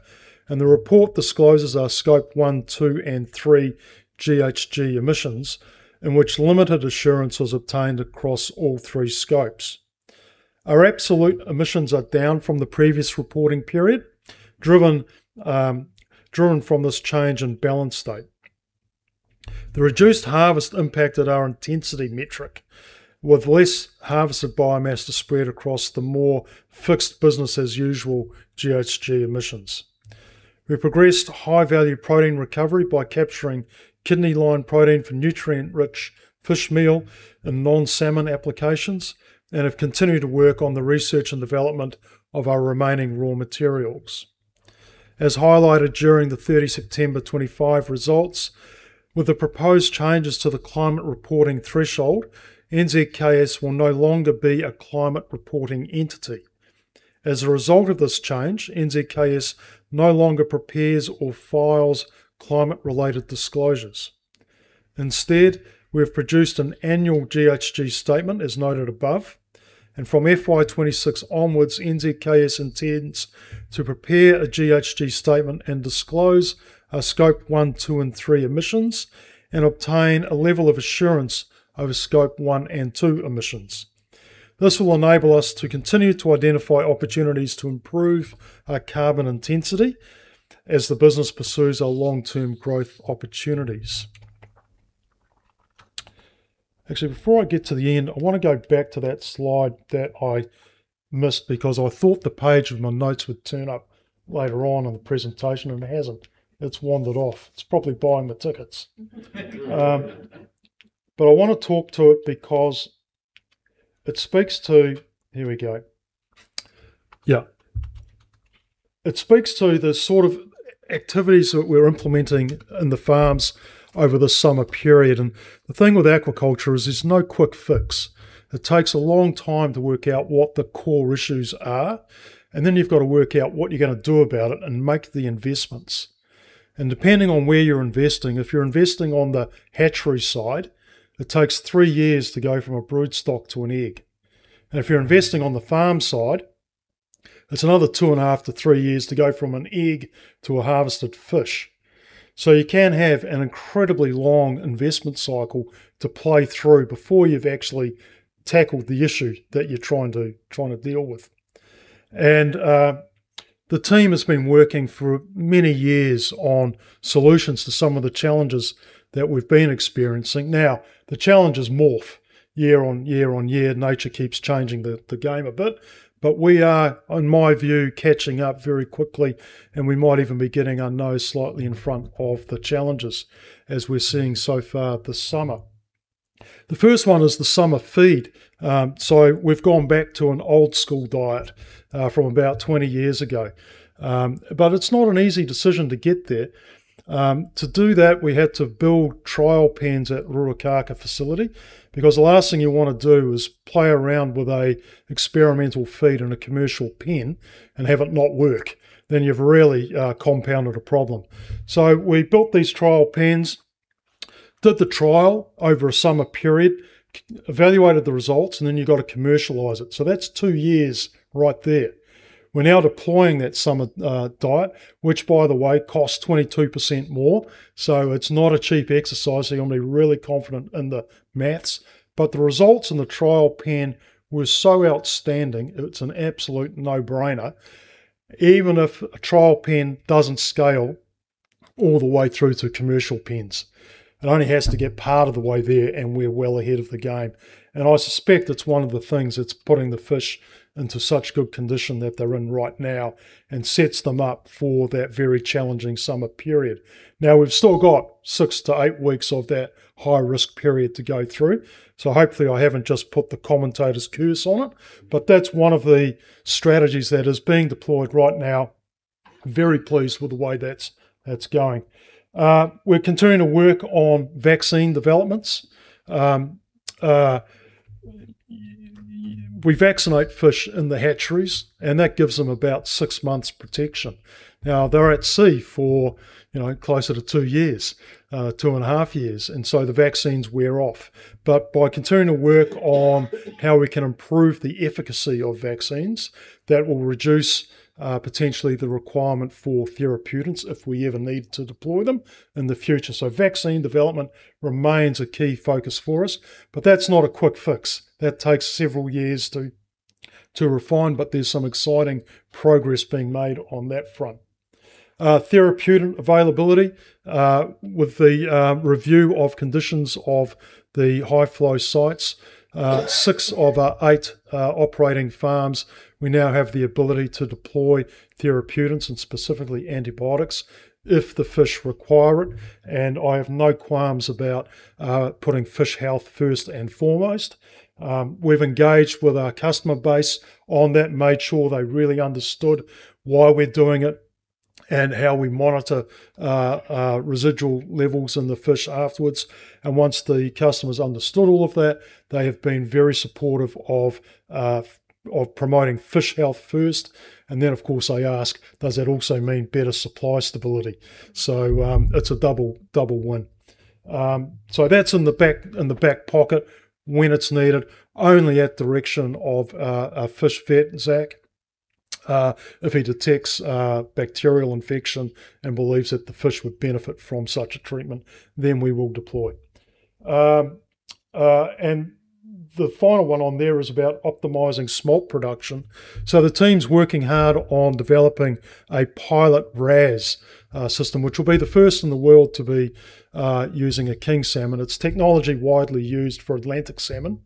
and the report discloses our Scope one, two, and three GHG emissions, in which limited assurance was obtained across all three scopes. Our absolute emissions are down from the previous reporting period, driven, driven from this change in balance state. The reduced harvest impacted our intensity metric, with less harvested biomass to spread across the more fixed business as usual GHG emissions. We've progressed high-value protein recovery by capturing kidney line protein for nutrient-rich fish meal and non-salmon applications, and have continued to work on the research and development of our remaining raw materials. As highlighted during the 30 September 2025 results, with the proposed changes to the climate reporting threshold, NZKS will no longer be a climate reporting entity. As a result of this change, NZKS no longer prepares or files climate-related disclosures. Instead, we have produced an annual GHG statement, as noted above, and from FY 2026 onwards, NZKS intends to prepare a GHG statement and disclose our scope one, two, and three emissions and obtain a level of assurance over scope one and two emissions. This will enable us to continue to identify opportunities to improve our carbon intensity as the business pursues our long-term growth opportunities. Actually, before I get to the end, I want to go back to that slide that I missed, because I thought the page of my notes would turn up later on in the presentation, and it hasn't. It's wandered off. It's probably buying the tickets. Yeah. It speaks to the sort of activities that we're implementing in the farms over the summer period, and the thing with aquaculture is there's no quick fix. It takes a long time to work out what the core issues are, and then you've got to work out what you're going to do about it and make the investments. And depending on where you're investing, if you're investing on the hatchery side, it takes 3 years to go from a broodstock to an egg. And if you're investing on the farm side, it's another 2.5-3 years to go from an egg to a harvested fish. So you can have an incredibly long investment cycle to play through before you've actually tackled the issue that you're trying to, trying to deal with. And the team has been working for many years on solutions to some of the challenges that we've been experiencing. Now, the challenges morph year on year on year. Nature keeps changing the game a bit, but we are, in my view, catching up very quickly, and we might even be getting our nose slightly in front of the challenges as we're seeing so far this summer. The first one is the summer feed. So we've gone back to an old-school diet, from about 20 years ago. But it's not an easy decision to get there. To do that, we had to build trial pens at Ruakaka facility, because the last thing you want to do is play around with an experimental feed in a commercial pen and have it not work. Then you've really compounded a problem. So we built these trial pens, did the trial over a summer period, evaluated the results, and then you've got to commercialize it. So that's 2 years right there. We're now deploying that summer diet, which, by the way, costs 22% more, so it's not a cheap exercise. You want to be really confident in the math. But the results in the trial pen were so outstanding, it's an absolute no-brainer. Even if a trial pen doesn't scale all the way through to commercial pens, it only has to get part of the way there, and we're well ahead of the game. I suspect it's one of the things that's putting the fish into such good condition that they're in right now and sets them up for that very challenging summer period. Now, we've still got 6-8 weeks of that high-risk period to go through, so hopefully, I haven't just put the commentator's curse on it, but that's one of the strategies that is being deployed right now. Very pleased with the way that's going. We're continuing to work on vaccine developments. We vaccinate fish in the hatcheries, and that gives them about 6 months protection. Now, they're at sea for, you know, closer to 2 years, 2.5 years, and so the vaccines wear off. But by continuing to work on how we can improve the efficacy of vaccines, that will reduce, potentially the requirement for therapeutics if we ever need to deploy them in the future. So vaccine development remains a key focus for us, but that's not a quick fix. That takes several years to refine, but there's some exciting progress being made on that front. Therapeutic availability, with the review of conditions of the high-flow sites, 6 of our 8 operating farms, we now have the ability to deploy therapeutics and specifically antibiotics if the fish require it, and I have no qualms about putting fish health first and foremost. We've engaged with our customer base on that, made sure they really understood why we're doing it and how we monitor residual levels in the fish afterwards. And once the customers understood all of that, they have been very supportive of promoting fish health first, and then, of course, I ask, "Does that also mean better supply stability?" So, it's a double, double win. So that's in the back, in the back pocket when it's needed, only at direction of our fish vet, Zac, if he detects a bacterial infection and believes that the fish would benefit from such a treatment, then we will deploy. And the final one on there is about optimizing smolt production. So the team's working hard on developing a pilot RAS system, which will be the first in the world to be using a King salmon. It's technology widely used for Atlantic salmon,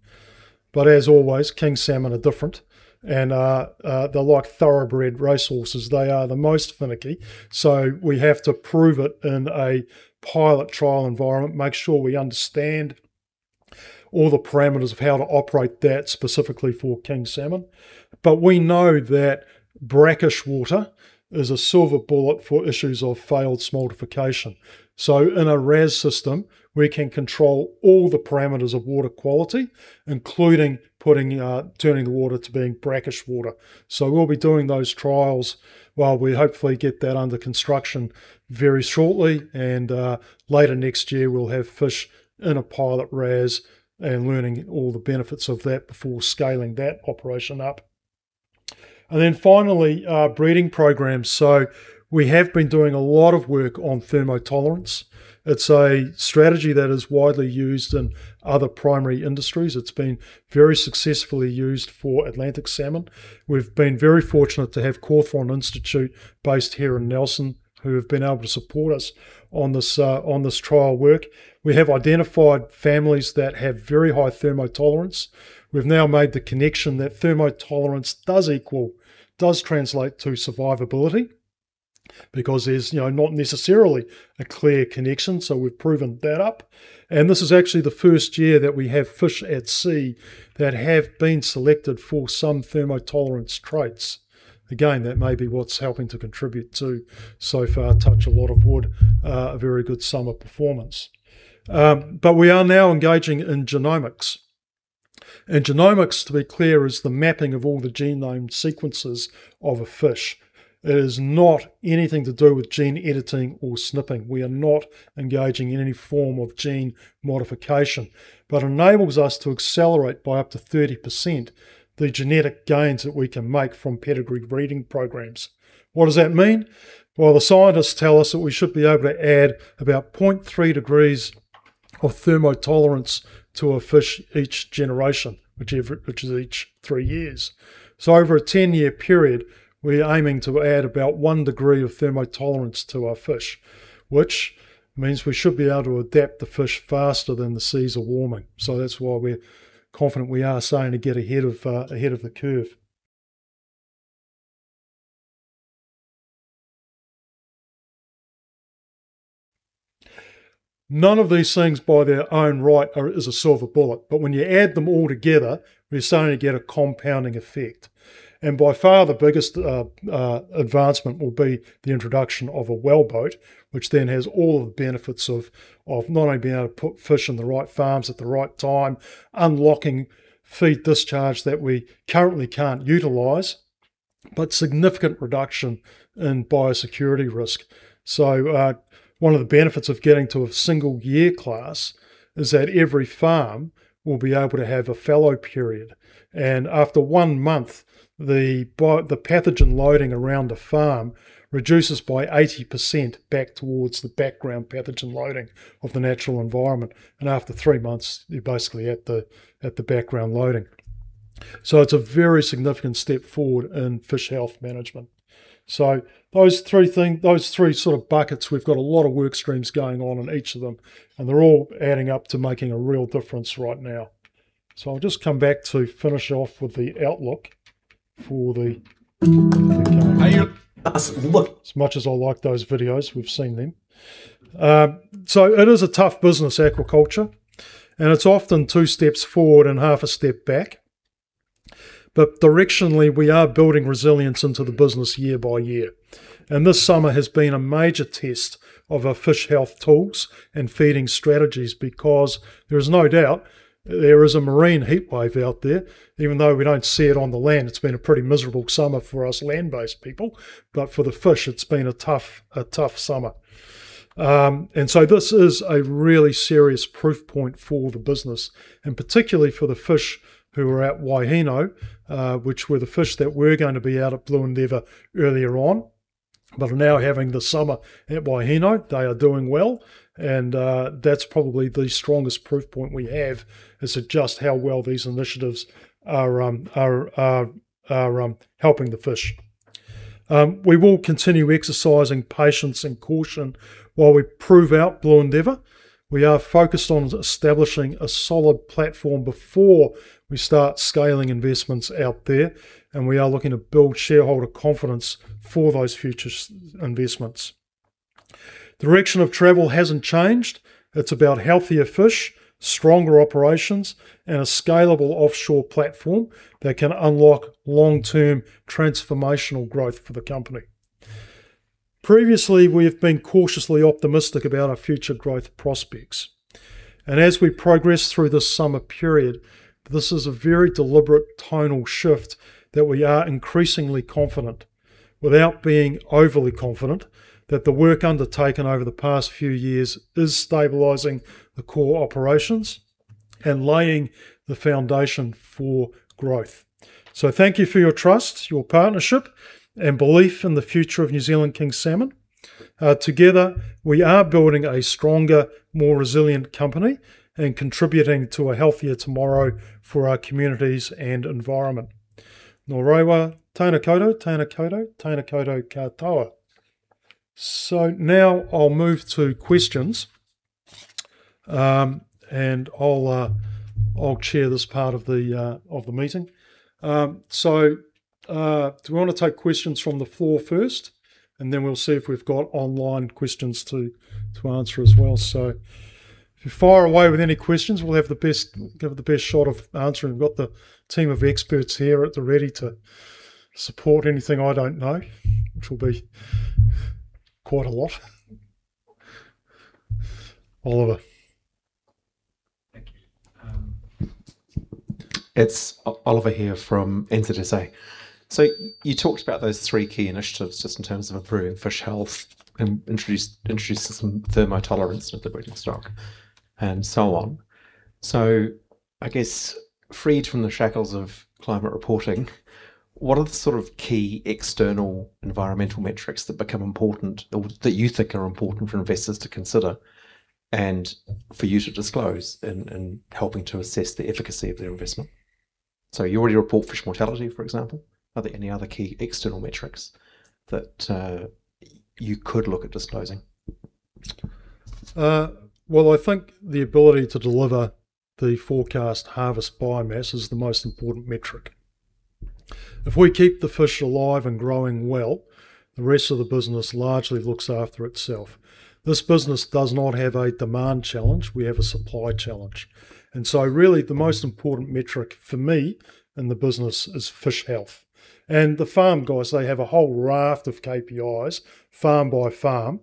but as always, King salmon are different and they're like thoroughbred racehorses. They are the most finicky, so we have to prove it in a pilot trial environment, make sure we understand all the parameters of how to operate that specifically for King salmon. But we know that brackish water is a silver bullet for issues of failed smoltification. So in a RAS system, we can control all the parameters of water quality, including putting turning the water to being brackish water. So we'll be doing those trials while we hopefully get that under construction very shortly, and later next year, we'll have fish in a pilot RAS and learning all the benefits of that before scaling that operation up. And then finally, breeding programs. So we have been doing a lot of work on thermotolerance. It's a strategy that is widely used in other primary industries. It's been very successfully used for Atlantic salmon. We've been very fortunate to have Cawthron Institute, based here in Nelson, who have been able to support us on this, on this trial work. We have identified families that have very high thermotolerance. We've now made the connection that thermotolerance does translate to survivability, because there's, you know, not necessarily a clear connection, so we've proven that up. This is actually the first year that we have fish at sea that have been selected for some thermotolerance traits. Again, that may be what's helping to contribute to, so far, touch a lot of wood, a very good summer performance. But we are now engaging in genomics, and genomics, to be clear, is the mapping of all the genome sequences of a fish. It is not anything to do with gene editing or snipping. We are not engaging in any form of gene modification, but enables us to accelerate by up to 30% the genetic gains that we can make from pedigree breeding programs. What does that mean? Well, the scientists tell us that we should be able to add about 0.3 degrees of thermotolerance to a fish each generation, which is each 3 years. So over a ten-year period, we're aiming to add about one degree of thermotolerance to our fish, which means we should be able to adapt the fish faster than the seas are warming. So that's why we're confident we are starting to get ahead of ahead of the curve. None of these things, by their own right, are, is a silver bullet, but when you add them all together, we're starting to get a compounding effect. And by far, the biggest advancement will be the introduction of a wellboat, which then has all of the benefits of not only being able to put fish in the right farms at the right time, unlocking feed discharge that we currently can't utilize, but significant reduction in biosecurity risk. So, one of the benefits of getting to a single year class is that every farm will be able to have a fallow period, and after one month, the pathogen loading around the farm reduces by 80% back towards the background pathogen loading of the natural environment, and after three months, you're basically at the background loading. So it's a very significant step forward in fish health management. So those three things - those three sort of buckets, we've got a lot of work streams going on in each of them, and they're all adding up to making a real difference right now. So I'll just come back to finish off with the outlook for the - As much as I like those videos, we've seen them. So it is a tough business, aquaculture, and it's often two steps forward and half a step back. But directionally, we are building resilience into the business year by year. And this summer has been a major test of our fish health tools and feeding strategies because there is no doubt there is a marine heatwave out there. Even though we don't see it on the land, it's been a pretty miserable summer for us land-based people, but for the fish, it's been a tough summer. So this is a really serious proof point for the business, and particularly for the fish who are at Waihinau, which were the fish that were going to be out at Blue Endeavour earlier on, but are now having the summer at Waihinau. They are doing well, and that's probably the strongest proof point we have, is that just how well these initiatives are helping the fish. We will continue exercising patience and caution while we prove out Blue Endeavour. We are focused on establishing a solid platform before we start scaling investments out there, and we are looking to build shareholder confidence for those future investments. Direction of travel hasn't changed. It's about healthier fish, stronger operations, and a scalable offshore platform that can unlock long-term transformational growth for the company. Previously, we have been cautiously optimistic about our future growth prospects, and as we progress through this summer period, this is a very deliberate tonal shift that we are increasingly confident without being overly confident that the work undertaken over the past few years is stabilizing the core operations and laying the foundation for growth. So thank you for your trust, your partnership, and belief in the future of New Zealand King Salmon. Together, we are building a stronger, more resilient company and contributing to a healthier tomorrow for our communities and environment. Nō reira, tēnā koutou, tēnā koutou, tēnā koutou, ka mutu. So now I'll move to questions. And I'll chair this part of the meeting. So, do we want to take questions from the floor first, and then we'll see if we've got online questions to answer as well? So if you fire away with any questions, we'll give it the best shot of answering. We've got the team of experts here at the ready to support anything I don't know, which will be quite a lot. Oliver. Thank you. It's Oliver here from NZSA. So you talked about those three key initiatives, just in terms of improving fish health and introducing some thermotolerance of the breeding stock, and so on. So I guess, freed from the shackles of climate reporting, what are the sort of key external environmental metrics that become important or that you think are important for investors to consider, and for you to disclose in helping to assess the efficacy of their investment? So you already report fish mortality, for example. Are there any other key external metrics that you could look at disclosing? Well, I think the ability to deliver the forecast harvest biomass is the most important metric. If we keep the fish alive and growing well, the rest of the business largely looks after itself. This business does not have a demand challenge; we have a supply challenge. And so really, the most important metric for me in the business is fish health. And the farm guys, they have a whole raft of KPIs, farm by farm,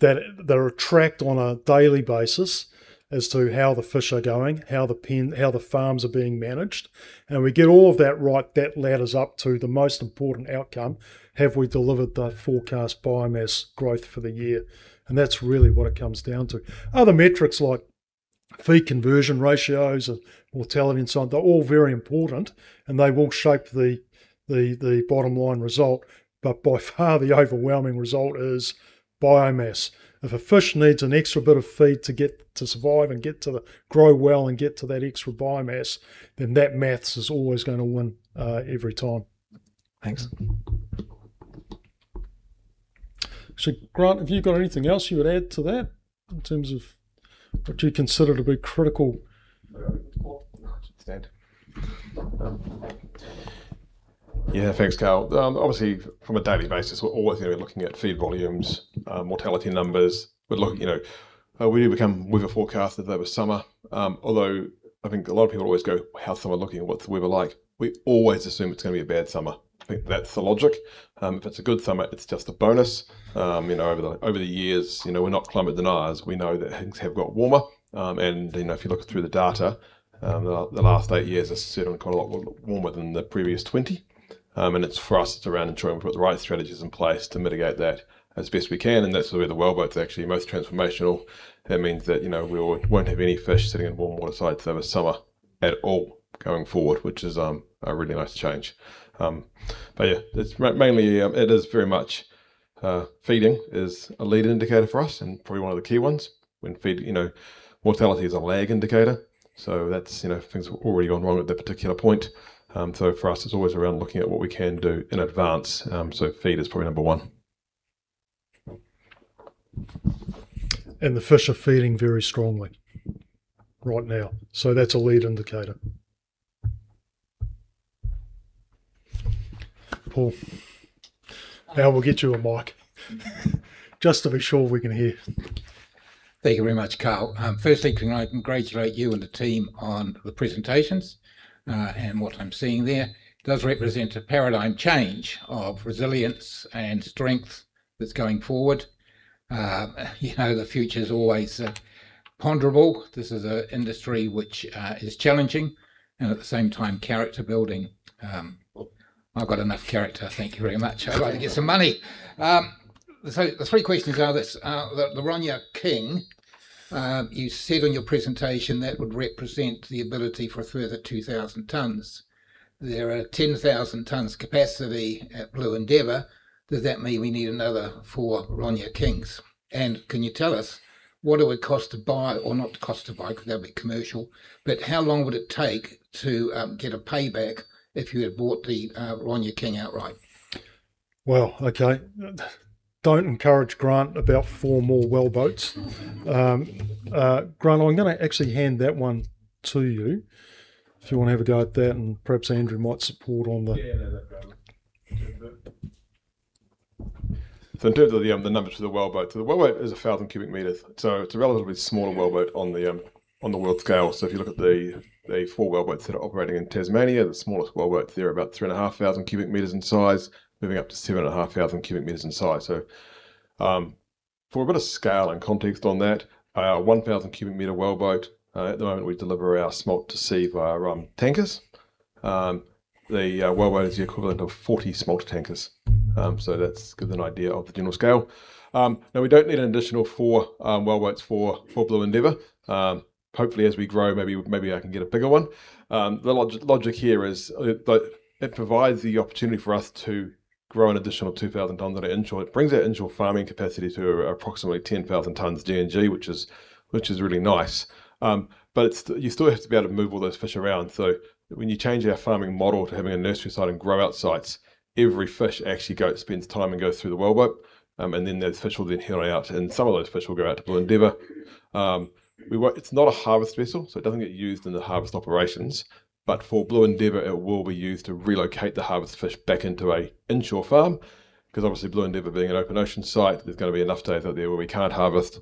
that are tracked on a daily basis as to how the fish are going, how the farms are being managed. And we get all of that right, that ladders up to the most important outcome: have we delivered the forecast biomass growth for the year? And that's really what it comes down to. Other metrics like feed conversion ratios and mortality and so on, they're all very important, and they will shape the bottom line result, but by far, the overwhelming result is biomass. If a fish needs an extra bit of feed to get to survive and get to grow well and get to that extra biomass, then that math is always gonna win every time. Thanks. So, Grant, have you got anything else you would add to that in terms of what you consider to be critical? Stand. Yeah, thanks, Carl. Obviously, from a daily basis, we're always going to be looking at feed volumes, mortality numbers. We're looking, you know, we have a forecast that there was summer. Although I think a lot of people always go: "How's summer looking? What's the weather like?" We always assume it's gonna be a bad summer. I think that's the logic. If it's a good summer, it's just a bonus. You know, over the years, you know, we're not climate deniers. We know that things have got warmer. And, you know, if you look through the data, the last 8 years are certainly quite a lot warmer than the previous 20. And it's for us, it's around ensuring we've got the right strategies in place to mitigate that as best we can, and that's where the wellboat's actually most transformational. That means that, you know, we won't have any fish sitting in warm water sites over summer at all going forward, which is a really nice change. But yeah, it's mainly it is very much feeding is a lead indicator for us and probably one of the key ones. When feed, you know, mortality is a lag indicator, so that's, you know, things have already gone wrong at that particular point. So for us, it's always around looking at what we can do in advance. So feed is probably number one. The fish are feeding very strongly right now, so that's a lead indicator. Paul. Now we'll get you a mic, just to be sure we can hear. Thank you very much, Carl. Firstly, can I congratulate you and the team on the presentations, and what I'm seeing there. It does represent a paradigm change of resilience and strength that's going forward. You know, the future is always, ponderable. This is a industry which, is challenging, and at the same time, character-building. I've got enough character, thank you very much. I'd like to get some money. So the three questions are this: the Ronja King, you said on your presentation that would represent the ability for a further 2,000 tons. There are 10,000 tons capacity at Blue Endeavour. Does that mean we need another four Ronja Kings? Can you tell us what it would cost to buy, or not the cost to buy, because that would be commercial, but how long would it take to get a payback if you had bought the Ronja King outright? Well, okay. Don't encourage Grant about four more wellboats. Grant, I'm gonna actually hand that one to you, if you want to have a go at that, and perhaps Andrew might support. Yeah, no, no problem. So in terms of the numbers for the wellboat, so the wellboat is 1,000 cubic meters, so it's a relatively smaller wellboat on the world scale. So if you look at the four wellboats that are operating in Tasmania, the smallest wellboat there is about 3,500 cubic meters in size, moving up to 7,500 cubic meters in size. For a bit of scale and context on that, our 1,000 cubic meter wellboat, at the moment, we deliver our smolt to sea via tankers. The wellboat is the equivalent of 40 smolt tankers. So that's give an idea of the general scale. Now we don't need an additional four wellboats for Blue Endeavour. Hopefully, as we grow, maybe, maybe I can get a bigger one. The logic here is that it provides the opportunity for us to grow an additional 2,000 tonnes at inshore. It brings our inshore farming capacity to approximately 10,000 tonnes G&G, which is really nice. You still have to be able to move all those fish around. So when you change our farming model to having a nursery site and grow-out sites, every fish actually go, spends time and goes through the wellboat, and then those fish will then head out, and some of those fish will go out to Blue Endeavour. It's not a harvest vessel, so it doesn't get used in the harvest operations. But for Blue Endeavour, it will be used to relocate the harvest fish back into a inshore farm, 'cause obviously Blue Endeavour being an open ocean site, there's gonna be enough days out there where we can't harvest.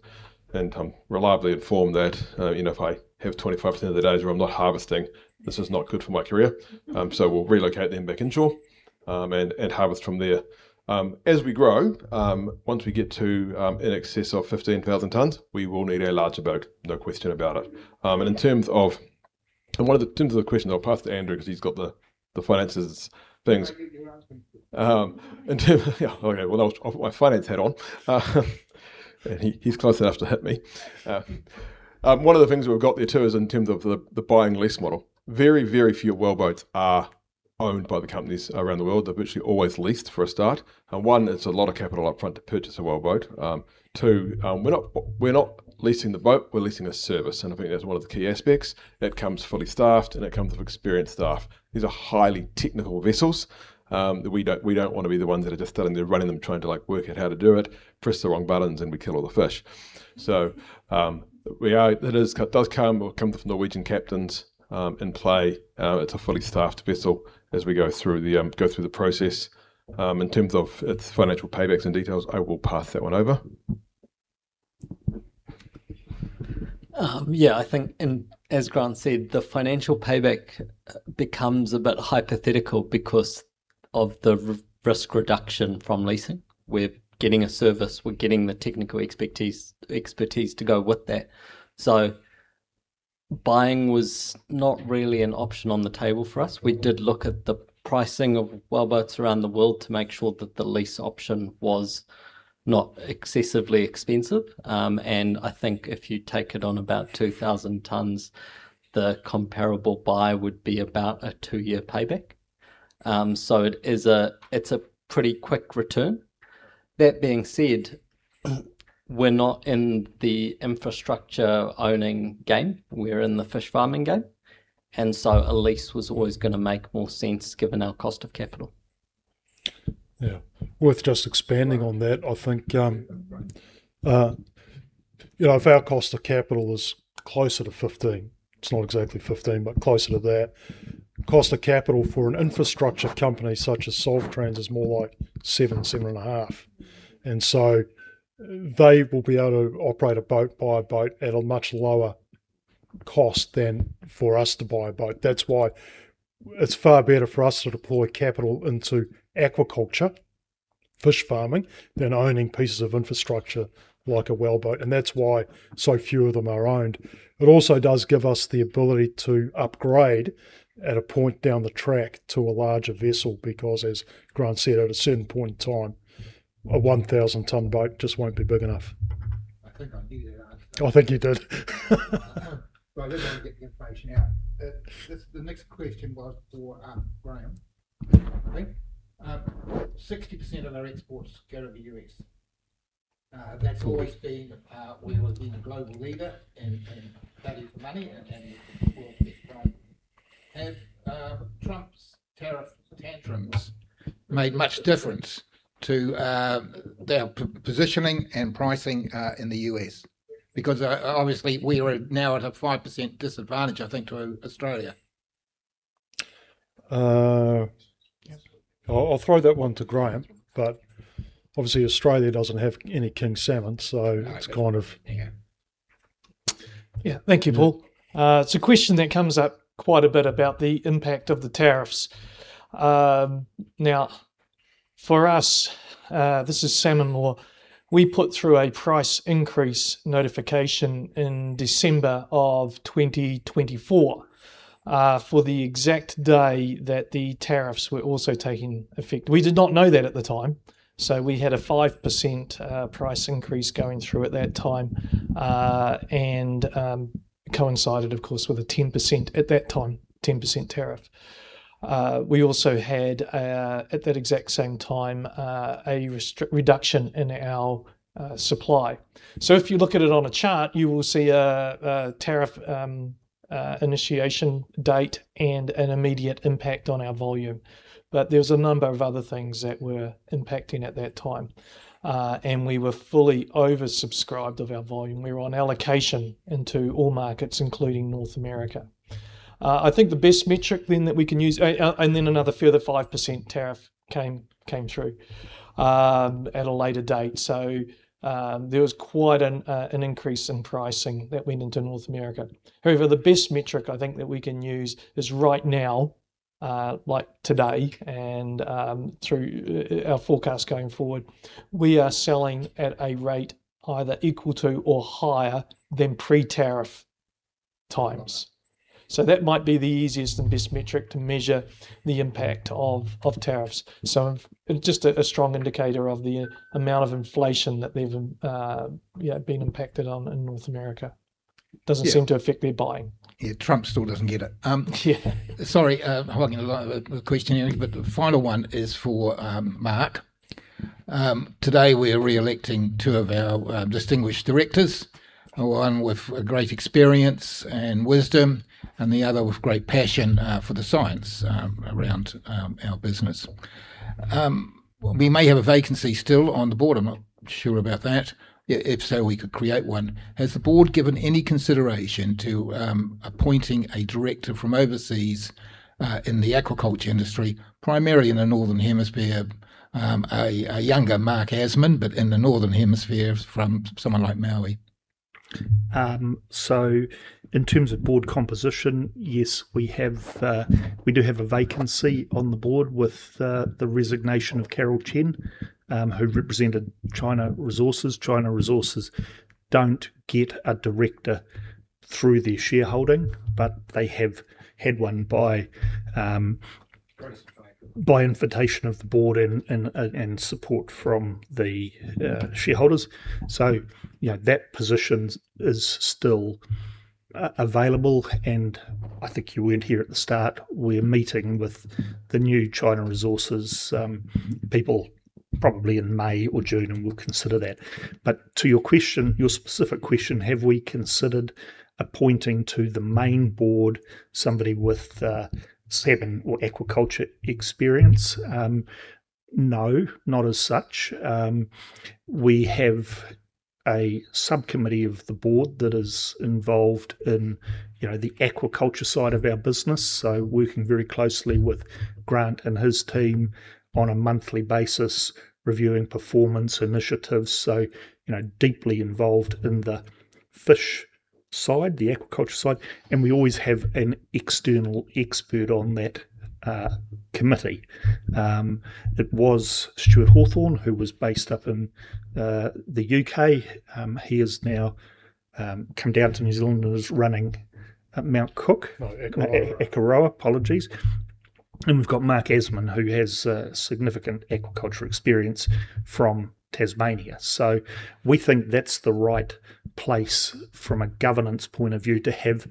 And I'm reliably informed that, you know, if I have 25% of the days where I'm not harvesting, this is not good for my career. So we'll relocate them back inshore, and harvest from there. As we grow, once we get to in excess of 15,000 tonnes, we will need a larger boat, no question about it. And in terms of and one of the, in terms of the question, I'll pass to Andrew, 'cause he's got the finances things. Yeah. Okay, well, I'll put my finance hat on. And he, he's close enough to hit me. One of the things we've got there, too, is in terms of the, the buy and lease model. Very, very few wellboats are owned by the companies around the world. They're virtually always leased for a start. And one, it's a lot of capital upfront to purchase a wellboat. Two, we're not, we're not leasing the boat, we're leasing a service, and I think that's one of the key aspects. It comes fully staffed, and it comes with experienced staff. These are highly technical vessels, that we don't, we don't want to be the ones that are just standing there, running them, trying to, like, work out how to do it, press the wrong buttons, and we kill all the fish. So, it does come with Norwegian captains in play. It's a fully staffed vessel as we go through the process. In terms of its financial paybacks and details, I will pass that one over. Yeah, I think, and as Grant said, the financial payback becomes a bit hypothetical because of the risk reduction from leasing. We're getting a service, we're getting the technical expertise to go with that. So buying was not really an option on the table for us. We did look at the pricing of wellboats around the world to make sure that the lease option was not excessively expensive. And I think if you take it on about 2,000 tonnes, the comparable buy would be about a 2-year payback. So it's a pretty quick return. That being said, we're not in the infrastructure owning game, we're in the fish farming game, and so a lease was always gonna make more sense given our cost of capital. Yeah. Worth just expanding on that. I think, you know, if our cost of capital is closer to 15, it's not exactly 15, but closer to that, cost of capital for an infrastructure company such as Sølvtrans is more like 7, 7.5. And so they will be able to operate a boat, buy a boat at a much lower cost than for us to buy a boat. That's why it's far better for us to deploy capital into aquaculture, fish farming, than owning pieces of infrastructure like a wellboat, and that's why so few of them are owned. It also does give us the ability to upgrade at a point down the track to a larger vessel, because, as Grant said, at a certain point in time, a 1,000 tonne boat just won't be big enough. I think I did it right. I think you did. Well, I just want to get the information out. This, the next question was for Grant, I think. 60% of our exports go to the U.S. That's always been, we've been a global leader in value for money and for fish pie. Have Trump's tariff tantrums made much difference to their positioning and pricing in the U.S.? Because, obviously, we are now at a 5% disadvantage, I think, to Australia. I'll throw that one to Grant, but obviously Australia doesn't have any King salmon. Yeah. Thank you, Paul. It's a question that comes up quite a bit about the impact of the tariffs. Now, for us, this is salmon, or we put through a price increase notification in December of 2024, for the exact day that the tariffs were also taking effect. We did not know that at the time, so we had a 5% price increase going through at that time, and coincided, of course, with a 10%, at that time, 10% tariff. We also had, at that exact same time, a reduction in our supply. So if you look at it on a chart, you will see a tariff initiation date and an immediate impact on our volume. But there's a number of other things that were impacting at that time, and we were fully oversubscribed of our volume. We were on allocation into all markets, including North America. I think the best metric then that we can use and then another further 5% tariff came through at a later date. So, there was quite an increase in pricing that went into North America. However, the best metric I think that we can use is right now like today and, through our forecast going forward, we are selling at a rate either equal to or higher than pre-tariff times. So that might be the easiest and best metric to measure the impact of tariffs. So, just a strong indicator of the amount of inflation that they've, yeah, been impacted on in North America doesn't seem to affect their buying. Sorry, holding the line of the questioning, but the final one is for Mark. Today, we are re-electing two of our distinguished directors. One with great experience and wisdom, and the other with great passion for the science around our business. We may have a vacancy still on the board. I'm not sure about that. If so, we could create one. Has the board given any consideration to appointing a director from overseas in the aquaculture industry, primarily in the Northern Hemisphere? A younger Mark Asman, but in the Northern Hemisphere from someone like Mowi. So in terms of board composition, yes, we have. We do have a vacancy on the board with the resignation of Carol Chen, who represented China Resources. China Resources don't get a director through their shareholding, but they have had one by Grant's invite by invitation of the board and support from the shareholders. So, you know, that position is still available, and I think you weren't here at the start. We're meeting with the new China Resources people, probably in May or June, and we'll consider that. But to your question, your specific question, have we considered appointing to the main board somebody with salmon or aquaculture experience? No, not as such. We have a subcommittee of the board that is involved in, you know, the aquaculture side of our business, so working very closely with Grant and his team on a monthly basis, reviewing performance initiatives. So, you know, deeply involved in the fish side, the aquaculture side, and we always have an external expert on that committee. It was Stewart Hawthorn, who was based up in the UK. He has now come down to New Zealand and is running at Mt. Cook, Akaroa, apologies. We've got Mark Asman, who has significant aquaculture experience from Tasmania. So we think that's the right place from a governance point of view, to have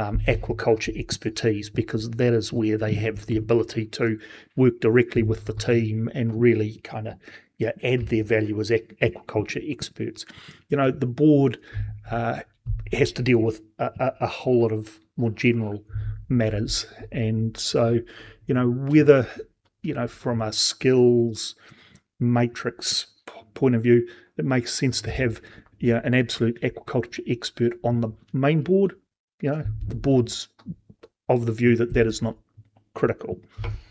the deep aquaculture expertise, because that is where they have the ability to work directly with the team and really kind of, yeah, add their value as aquaculture experts. You know, the board has to deal with a whole lot of more general matters. So, you know, whether, you know, from a skills matrix point of view, it makes sense to have, yeah, an absolute aquaculture expert on the main board. You know, the board's of the view that that is not critical,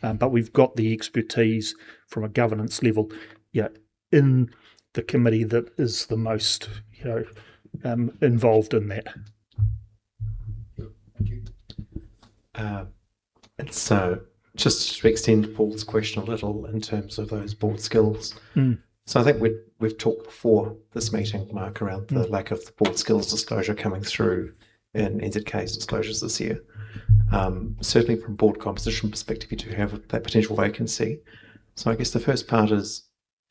but we've got the expertise from a governance level, yeah, in the committee that is the most, you know, involved in that. Just to extend Paul's question a little in terms of those board skills. So I think we've talked before this meeting, Mark, around the lack of the board skills disclosure coming through in NZK's disclosures this year. Certainly from a board composition perspective, you do have that potential vacancy. So I guess the first part is,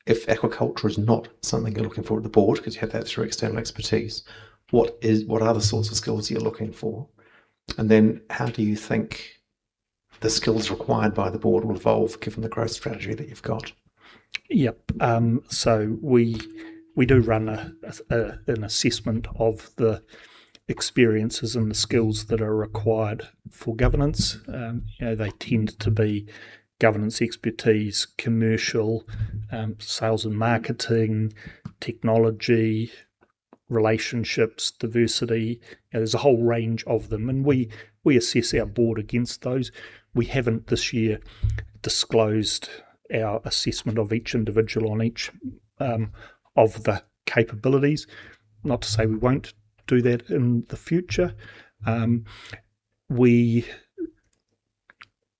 if aquaculture is not something you're looking for at the board, because you have that through external expertise, what is- what are the sorts of skills you're looking for? And then how do you think the skills required by the board will evolve, given the growth strategy that you've got? Yep. So we do run an assessment of the experiences and the skills that are required for governance. You know, they tend to be governance expertise, commercial, sales and marketing, technology, relationships, diversity. There's a whole range of them, and we assess our board against those. We haven't, this year, disclosed our assessment of each individual on each of the capabilities. Not to say we won't do that in the future. Our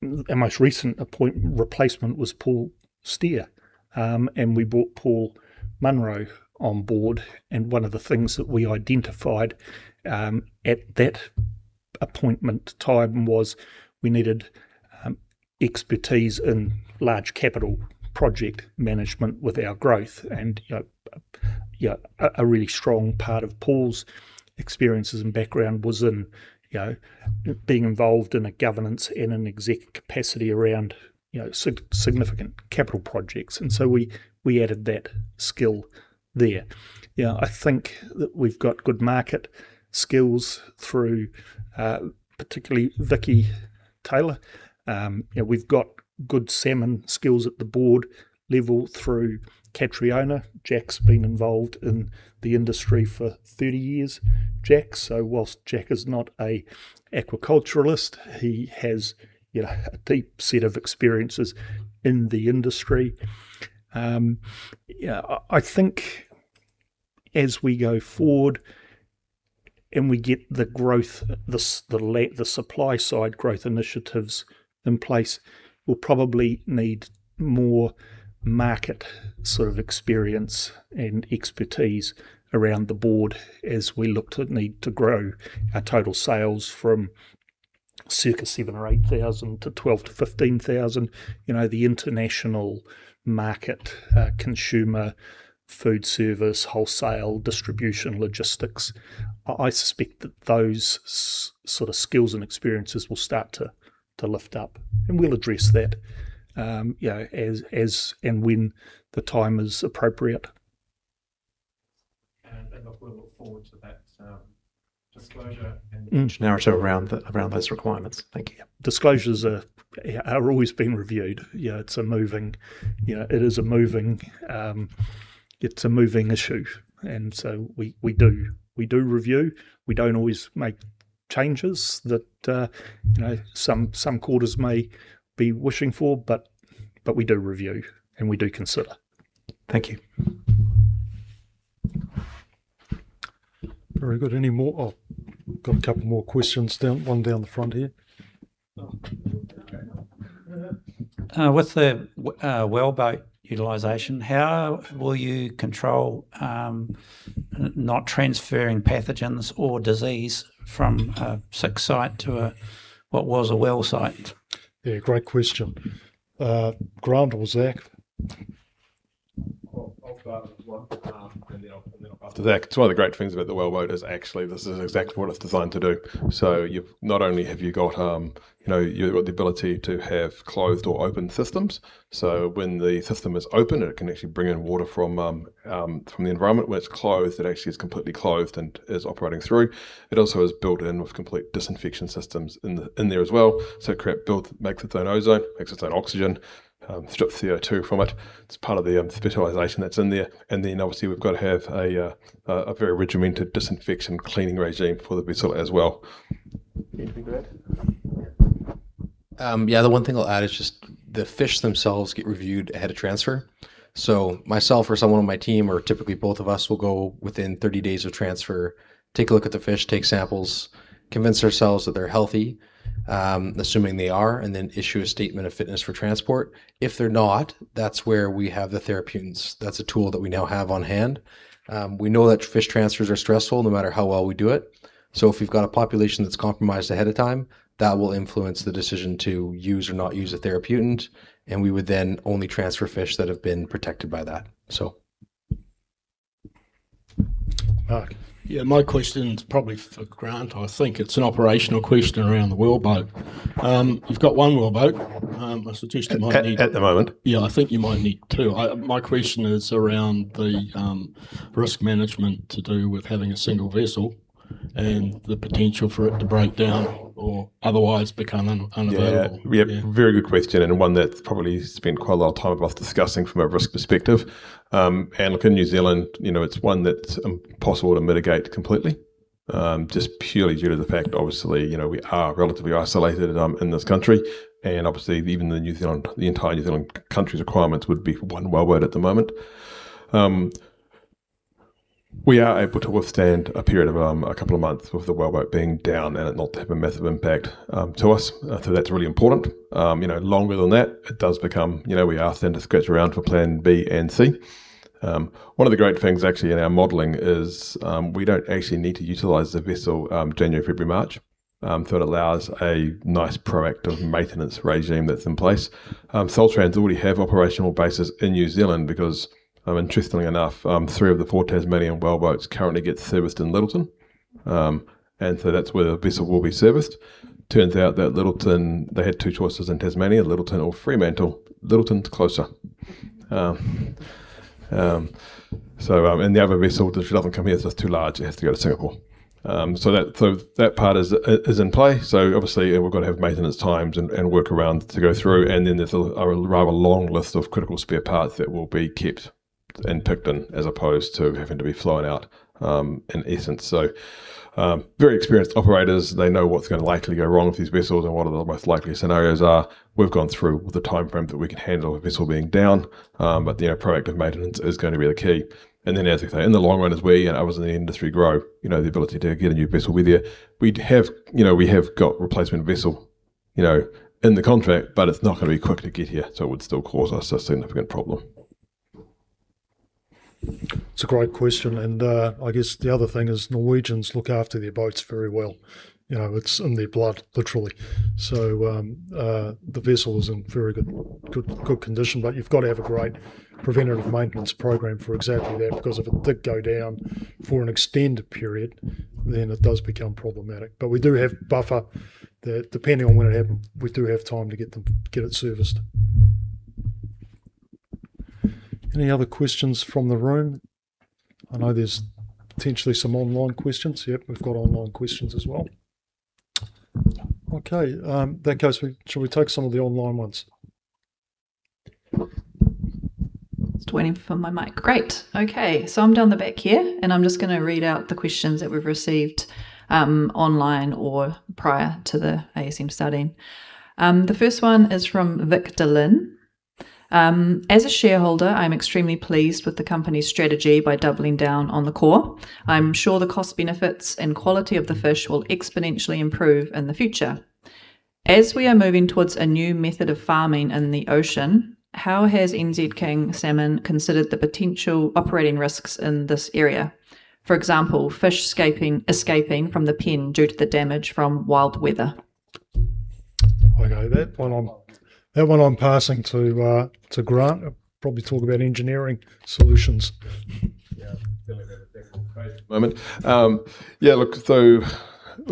most recent appointment replacement was Paul Steer, and we brought Paul Munro on board, and one of the things that we identified at that appointment time was we needed expertise in large capital project management with our growth. You know, yeah, a really strong part of Paul's experiences and background was in, you know, being involved in governance, in an exec capacity around, you know, significant capital projects, and so we added that skill there. Yeah, I think that we've got good market skills through, particularly Victoria Taylor. You know, we've got good salmon skills at the board level through Catriona. Jack's been involved in the industry for 30 years, Jack, so while Jack is not an aquaculturist, he has, you know, a deep set of experiences in the industry. As we go forward and we get the growth, the supply side growth initiatives in place, we'll probably need more market sort of experience and expertise around the board as we look to need to grow our total sales from circa 7,000 or 8,000 to 12,000 to 15,000. You know, the international market, consumer, food service, wholesale, distribution, logistics, I suspect that those sort of skills and experiences will start to lift up, and we'll address that, as and when the time is appropriate. And we'll look forward to that disclosure and narrative around those requirements. Thank you. Disclosures are always being reviewed. Yeah, it's a moving, you know, it is a moving issue, and so we do review. We don't always make changes that, you know, some quarters may be wishing for, but we do review, and we do consider. Thank you. Very good. Any more? Oh, got a couple more questions down, one down the front here. Oh, okay. With the wellboat utilization, how will you control not transferring pathogens or disease from a sick site to what was a well site? Yeah, great question. Grant or Zac? Well, I'll start with one, and then I'll pass to Zac. It's one of the great things about the wellboat is actually this is exactly what it's designed to do. So you've not only have you got, you know, you've got the ability to have closed or open systems, so when the system is open, it can actually bring in water from the environment. When it's closed, it actually is completely closed and is operating through. It also is built in with complete disinfection systems in there as well. So it can build, make its own ozone, make its own oxygen, strip CO2 from it. It's part of the fertilization that's in there. And then obviously, we've got to have a very regimented disinfection cleaning regime for the vessel as well. Anything to add? Yeah, the one thing I'll add is just the fish themselves get reviewed ahead of transfer. So myself or someone on my team, or typically both of us, will go within 30 days of transfer, take a look at the fish, take samples, convince ourselves that they're healthy, assuming they are, and then issue a statement of fitness for transport. If they're not, that's where we have the therapeutants. That's a tool that we now have on hand. We know that fish transfers are stressful, no matter how well we do it. So if we've got a population that's compromised ahead of time, that will influence the decision to use or not use a therapeutant, and we would then only transfer fish that have been protected by that, so. My question is probably for Grant. I think it's an operational question around the wellboat. You've got one wellboat. I suggest you might need. Yeah, I think you might need two. My question is around the risk management to do with having a single vessel and the potential for it to break down or otherwise become unavailable. Very good question, and one that's probably spent quite a lot of time with us discussing from a risk perspective. And look, in New Zealand, you know, it's one that's possible to mitigate completely, just purely due to the fact, obviously, you know, we are relatively isolated in this country, and obviously even the entire New Zealand country's requirements would be for one wellboat at the moment. We are able to withstand a period of a couple of months with the wellboat being down and it not to have a massive impact to us, so that's really important. You know, longer than that, it does become, you know, we are then to scratch around for plan B and C. One of the great things actually in our modeling is, we don't actually need to utilize the vessel, January, February, March, so it allows a nice proactive maintenance regime that's in place. Sølvtrans already have operational bases in New Zealand because, interestingly enough, three of the four Tasmanian wellboats currently get serviced in Lyttelton. And so that's where the vessel will be serviced. Turns out that Lyttelton, they had two choices in Tasmania, Lyttelton or Fremantle. Lyttelton's closer. So, and the other vessel, which doesn't come here, is just too large, it has to go to Singapore. So that part is in play, so obviously, yeah, we've got to have maintenance times and work around to go through, and then there's a rather long list of critical spare parts that will be kept in Picton, as opposed to having to be flown out, in essence. So, very experienced operators, they know what's going to likely go wrong with these vessels and what are the most likely scenarios are. We've gone through the timeframe that we can handle a vessel being down, but, you know, proactive maintenance is going to be the key. And then, as I say, in the long run, as we and others in the industry grow, you know, the ability to get a new vessel will be there. We'd have, you know, we have got replacement vessel, you know, in the contract, but it's not going to be quick to get here, so it would still cause us a significant problem. It's a great question, and I guess the other thing is Norwegians look after their boats very well. You know, it's in their blood, literally. So, the vessel is in very good condition, but you've got to have a great preventative maintenance program for exactly that, because if it did go down for an extended period, then it does become problematic. But we do have buffer that, depending on when it happens, we do have time to get it serviced. Any other questions from the room? I know there's potentially some online questions. Yep, we've got online questions as well. Okay, shall we take some of the online ones? Just waiting for my mic. Great! Okay, so I'm down the back here, and I'm just going to read out the questions that we've received online or prior to the ASM starting. The first one is from Victor Lin. As a shareholder, I'm extremely pleased with the company's strategy by doubling down on the core. I'm sure the cost benefits and quality of the fish will exponentially improve in the future. As we are moving towards a new method of farming in the ocean, how has NZ King Salmon considered the potential operating risks in this area? For example, fish escaping from the pen due to the damage from wild weather. I know that one on, that one I'm passing to, to Grant. He'll probably talk about engineering solutions. Yeah, feeling a bit crazy at the moment. Yeah, look, so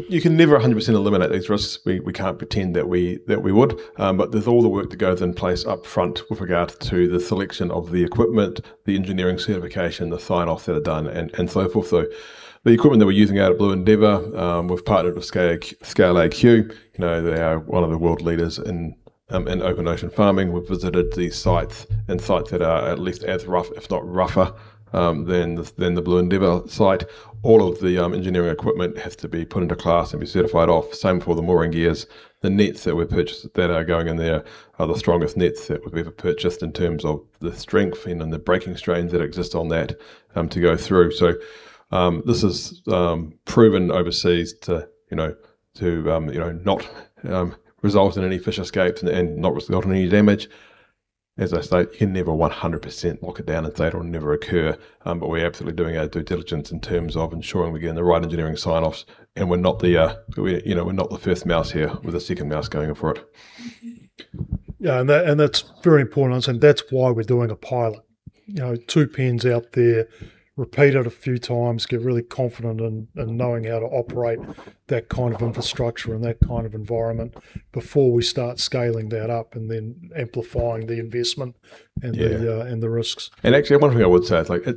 you can never 100% eliminate these risks. We can't pretend that we would. But there's all the work that goes in place upfront with regard to the selection of the equipment, the engineering certification, the sign-offs that are done, and so forth. So the equipment that we're using out at Blue Endeavour, we've partnered with ScaleAQ. You know, they are one of the world leaders in open ocean farming. We've visited these sites and sites that are at least as rough, if not rougher, than the Blue Endeavour site. All of the engineering equipment has to be put into class and be certified off. Same for the mooring gears. The nets that we've purchased that are going in there are the strongest nets that we've ever purchased in terms of the strength and, and the breaking strains that exist on that, to go through. So, this is proven overseas to, you know, to, you know, not result in any fish escapes and, and not result in any damage. As I state, you can never 100% lock it down and say it will never occur. But we're absolutely doing our due diligence in terms of ensuring we're getting the right engineering sign-offs, and we're not the, you know, we're not the first mouse here, we're the second mouse going in for it. Yeah, and that, and that's very important, and that's why we're doing a pilot. You know, 2 pens out there, repeat it a few times, get really confident in, in knowing how to operate that kind of infrastructure and that kind of environment before we start scaling that up and then amplifying the investment and the risks. Actually, one thing I would say is, like,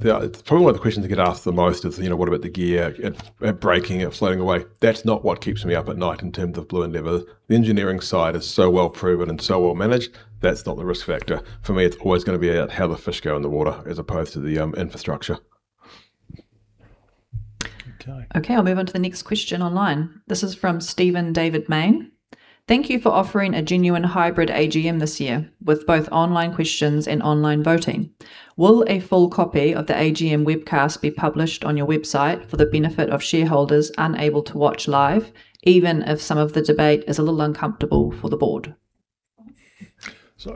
probably one of the questions that get asked the most is, you know, what about the gear, it breaking, it floating away? That's not what keeps me up at night in terms of Blue Endeavour. The engineering side is so well proven and so well managed, that's not the risk factor. For me, it's always gonna be about how the fish go in the water as opposed to the infrastructure. Okay, I'll move on to the next question online. This is from Stephen David Maine: Thank you for offering a genuine hybrid AGM this year, with both online questions and online voting. Will a full copy of the AGM webcast be published on your website for the benefit of shareholders unable to watch live, even if some of the debate is a little uncomfortable for the board?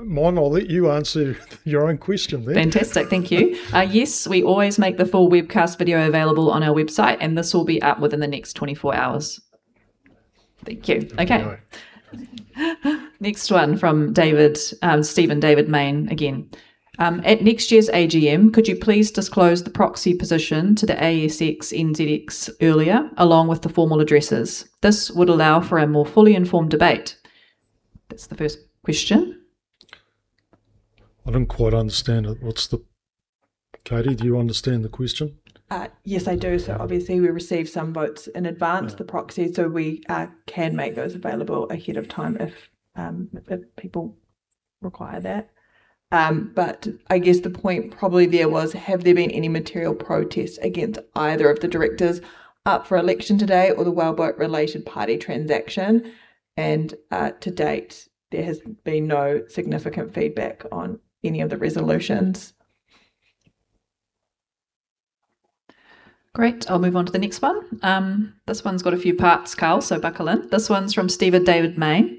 Mon, I'll let you answer your own question then. Fantastic. Thank you. Yes, we always make the full webcast video available on our website, and this will be up within the next 24 hours. Thank you. Okay. Next one from David, Stephen David Maine again. At next year's AGM, could you please disclose the proxy position to the ASX, NZX earlier, along with the formal addresses? This would allow for a more fully informed debate. That's the first question. I don't quite understand it. Monique do you understand the question? Yes, I do. So obviously, we received some votes in advance, the proxies, so we can make those available ahead of time if people require that. But I guess the point probably there was, have there been any material protests against either of the directors up for election today or the wellboat related party transaction? And to date, there has been no significant feedback on any of the resolutions. Great, I'll move on to the next one. This one's got a few parts, Carl, so buckle in. This one's from Stephen David Maine: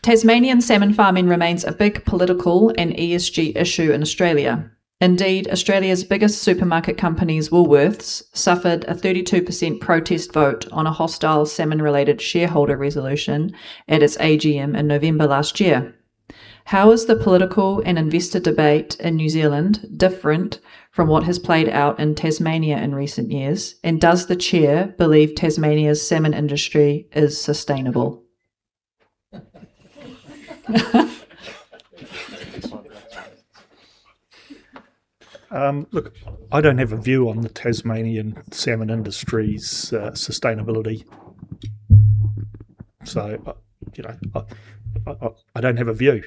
Tasmanian salmon farming remains a big political and ESG issue in Australia. Indeed, Australia's biggest supermarket companies, Woolworths, suffered a 32% protest vote on a hostile salmon-related shareholder resolution at its AGM in November last year. How is the political and investor debate in New Zealand different from what has played out in Tasmania in recent years, and does the Chair believe Tasmania's salmon industry is sustainable? Look, I don't have a view on the Tasmanian salmon industry's sustainability. So, you know, I don't have a view.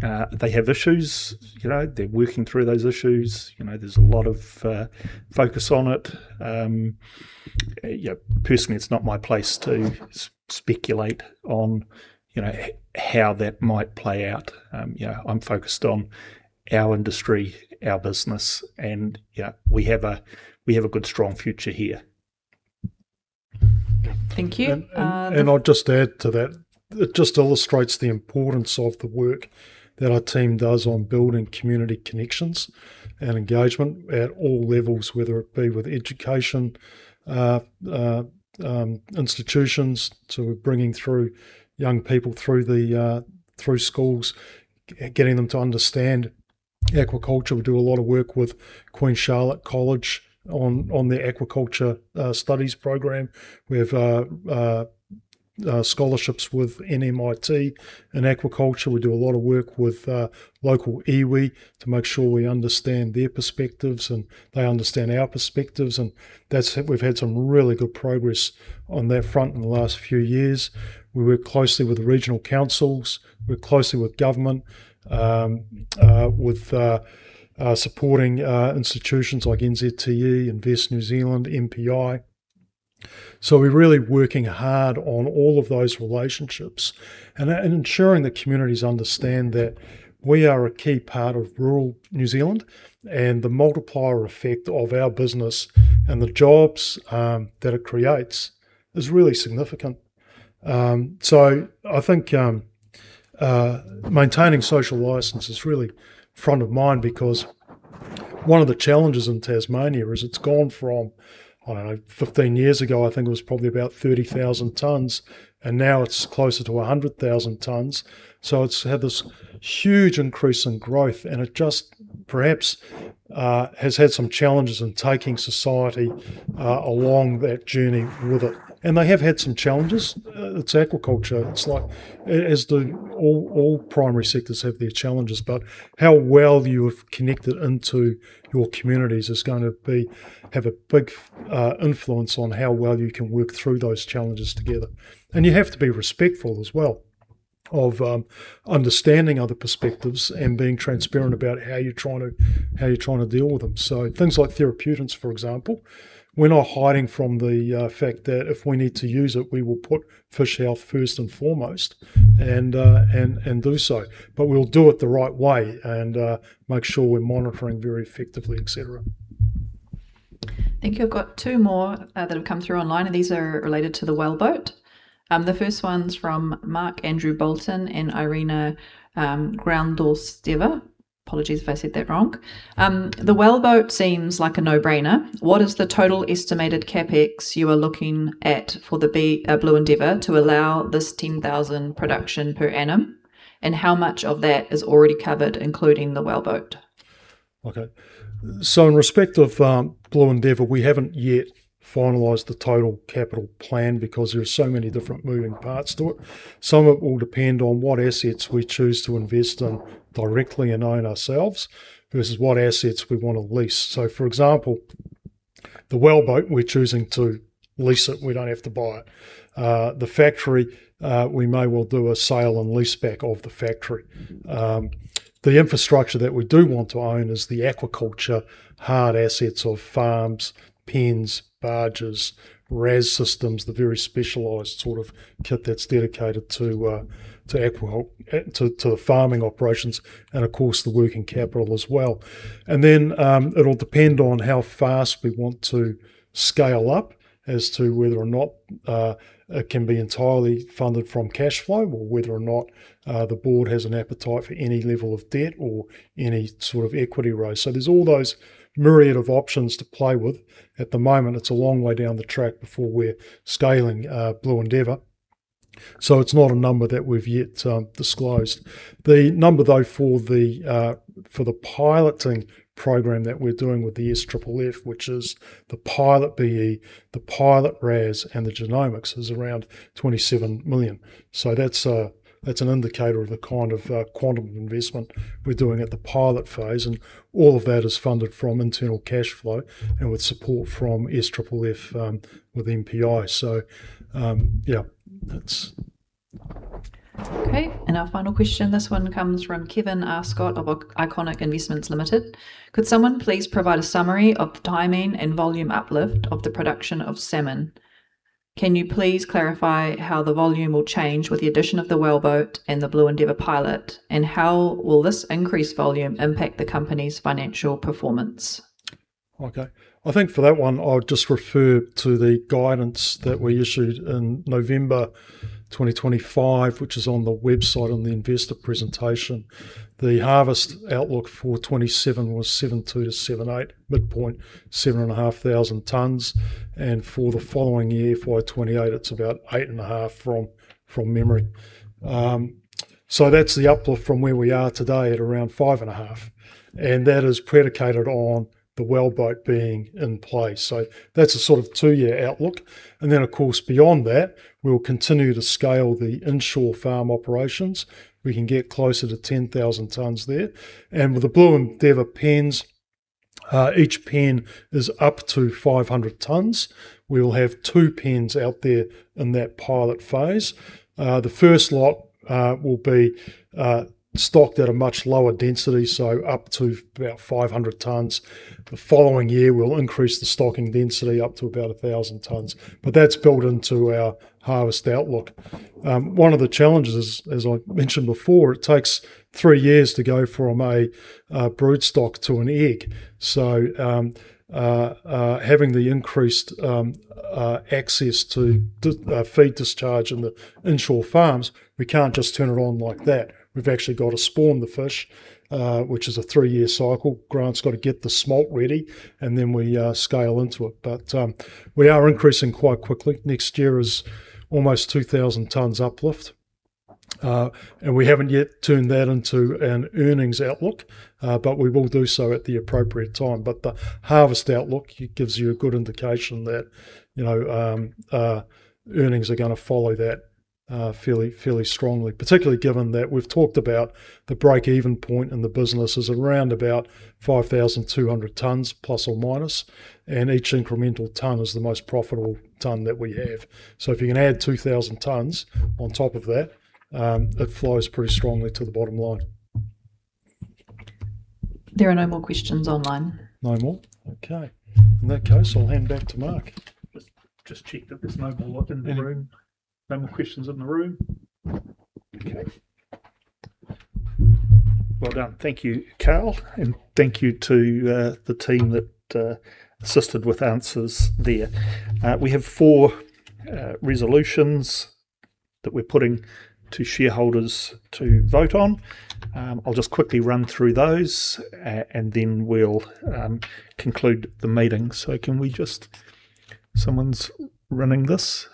They have issues, you know, they're working through those issues. You know, there's a lot of focus on it. Yeah, personally, it's not my place to speculate on, you know, how that might play out. Yeah, I'm focused on our industry, our business, and yeah, we have a good, strong future here. Thank you. I'll just add to that. It just illustrates the importance of the work that our team does on building community connections and engagement at all levels, whether it be with education institutions, so bringing through young people through schools, getting them to understand aquaculture. We do a lot of work with Queen Charlotte College on their aquaculture studies program. We have scholarships with NMIT in aquaculture. We do a lot of work with local iwi to make sure we understand their perspectives, and they understand our perspectives. We've had some really good progress on that front in the last few years. We work closely with the regional councils, work closely with government, with supporting institutions like NZTE, Invest New Zealand, MPI. So we're really working hard on all of those relationships and ensuring the communities understand that we are a key part of rural New Zealand, and the multiplier effect of our business and the jobs that it creates is really significant. So I think maintaining social license is really front of mind, because one of the challenges in Tasmania is it's gone from, I don't know, 15 years ago, I think it was probably about 30,000 tons, and now it's closer to 100,000 tons. So it's had this huge increase in growth, and it just perhaps has had some challenges in taking society along that journey with it. And they have had some challenges. It's aquaculture. It's like, as all primary sectors have their challenges, but how well you have connected into your communities is have a big influence on how well you can work through those challenges together. And you have to be respectful as well of understanding other perspectives and being transparent about how you're trying to, how you're trying to deal with them. So things like therapeutics, for example, we're not hiding from the fact that if we need to use it, we will put fish health first and foremost and do so. But we'll do it the right way and make sure we're monitoring very effectively, et cetera. I think you've got two more that have come through online, and these are related to the wellboat. The first one's from Mark Andrew Bolton and Irina Gundoltseva. Apologies if I said that wrong. The wellboat seems like a no-brainer. What is the total estimated CapEx you are looking at for the B, Blue Endeavour to allow this 10,000 production per annum, and how much of that is already covered, including the wellboat? Okay. So in respect of Blue Endeavour, we haven't yet finalized the total capital plan because there are so many different moving parts to it. Some of it will depend on what assets we choose to invest in directly and own ourselves versus what assets we want to lease. So, for example, the wellboat, we're choosing to lease it, we don't have to buy it. The factory, we may well do a sale and leaseback of the factory. The infrastructure that we do want to own is the aquaculture hard assets of farms, pens, barges, RAS systems, the very specialized sort of kit that's dedicated to, to the farming operations and of course, the working capital as well. And then, it'll depend on how fast we want to scale up as to whether or not it can be entirely funded from cash flow or whether or not the board has an appetite for any level of debt or any sort of equity raise. So there's all those myriad of options to play with. At the moment, it's a long way down the track before we're scaling Blue Endeavour, so it's not a number that we've yet disclosed. The number, though, for the piloting program that we're doing with the SFFF, which is the pilot BE, the pilot RAS, and the genomics, is around 27 million. So that's an indicator of the kind of quantum investment we're doing at the pilot phase, and all of that is funded from internal cash flow and with support from SFFF with MPI. Okay, and our final question, this one comes from Kevin Arscott of Iconic Investments Limited. Could someone please provide a summary of the timing and volume uplift of the production of salmon? Can you please clarify how the volume will change with the addition of the wellboat and the Blue Endeavour pilot, and how will this increased volume impact the company's financial performance? Okay. I think for that one, I'll just refer to the guidance that we issued in November 2025, which is on the website on the investor presentation. The harvest outlook for 2027 was 7,200-7,800 tons, midpoint 7,500 tons, and for the following year, FY 2028, it's about 8,500 from memory. So that's the uplift from where we are today at around 5,500, and that is predicated on the wellboat being in place. So that's a sort of two-year outlook. And then, of course, beyond that, we'll continue to scale the inshore farm operations. We can get closer to 10,000 tons there. And with the Blue Endeavour pens, each pen is up to 500 tons. We'll have two pens out there in that pilot phase. The first lot will be stocked at a much lower density, so up to about 500 tons. The following year, we'll increase the stocking density up to about 1,000 tons, but that's built into our harvest outlook. One of the challenges, as I mentioned before, it takes three years to go from a broodstock to an egg. So, having the increased access to feed discharge in the inshore farms, we can't just turn it on like that. We've actually got to spawn the fish, which is a three-year cycle. Grant's got to get the smolt ready, and then we scale into it. But we are increasing quite quickly. Next year is almost 2,000 tons uplift, and we haven't yet turned that into an earnings outlook, but we will do so at the appropriate time. But the harvest outlook, it gives you a good indication that, you know, earnings are gonna follow that, fairly, fairly strongly. Particularly given that we've talked about the break-even point in the business is around about 5,200 tons ±, and each incremental ton is the most profitable ton that we have. So if you can add 2,000 tons on top of that, it flows pretty strongly to the bottom line. There are no more questions online. No more? Okay. In that case, I'll hand back to Mark. Just check that there's no more lot in the room. Yeah. No more questions in the room? Okay. Well done. Thank you, Carl, and thank you to the team that assisted with answers there. We have four resolutions that we're putting to shareholders to vote on. I'll just quickly run through those, and then we'll conclude the meeting. Someone's running this?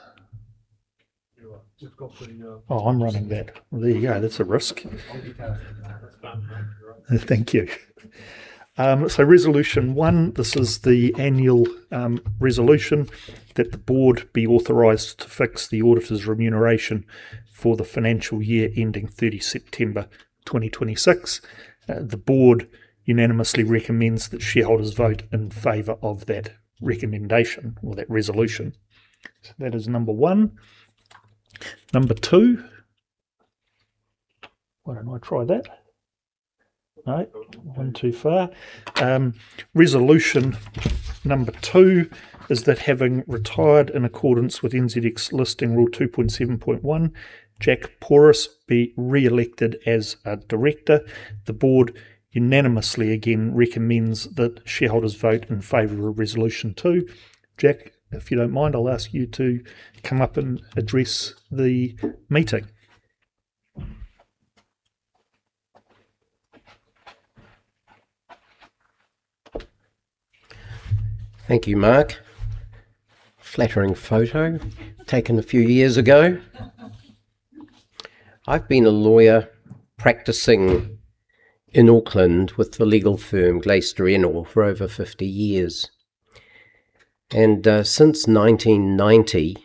You are. Oh, I'm running that. There you go. That's a risk. Thank you, Carl. Thank you. So Resolution 1, this is the annual resolution that the board be authorised to fix the auditor's remuneration for the financial year ending 30 September 2026. The board unanimously recommends that shareholders vote in favor of that recommendation or that resolution. So that is number one. Number two. Resolution number two is that, having retired in accordance with NZX Listing Rule 2.7.1, Jack Porus be re-elected as a director. The board unanimously again recommends that shareholders vote in favor of Resolution 2. Jack, if you don't mind, I'll ask you to come up and address the meeting. Thank you, Mark. Flattering photo, taken a few years ago. I've been a lawyer practicing in Auckland with the legal firm Glaister Ennor for over 50 years. And since 1990,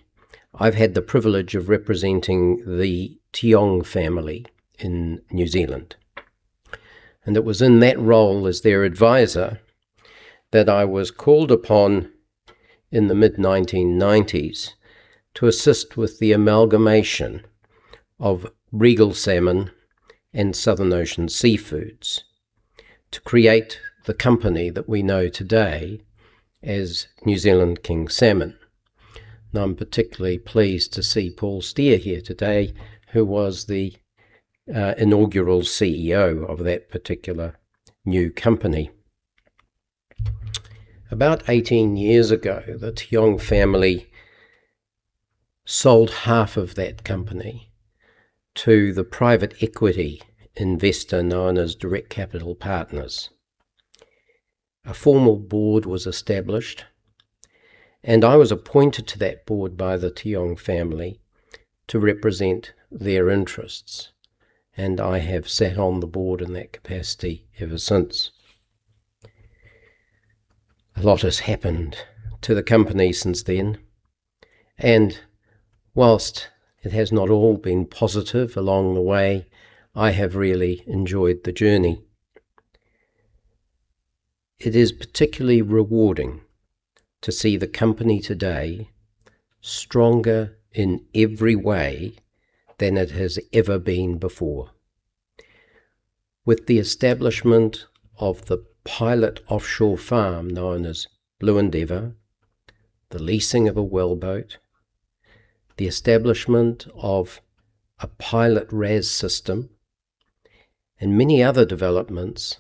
I've had the privilege of representing the Tiong family in New Zealand. And it was in that role as their advisor, that I was called upon in the mid-1990s to assist with the amalgamation of Regal Salmon and Southern Ocean Seafoods, to create the company that we know today as New Zealand King Salmon. Now, I'm particularly pleased to see Paul Steer here today, who was the inaugural CEO of that particular new company. About 18 years ago, the Tiong family sold half of that company to the private equity investor known as Direct Capital Partners. A formal board was established, and I was appointed to that board by the Tiong family to represent their interests, and I have sat on the board in that capacity ever since. A lot has happened to the company since then, and whilst it has not all been positive along the way, I have really enjoyed the journey. It is particularly rewarding to see the company today stronger in every way than it has ever been before. With the establishment of the pilot offshore farm known as Blue Endeavour, the leasing of a wellboat, the establishment of a pilot RAS system, and many other developments,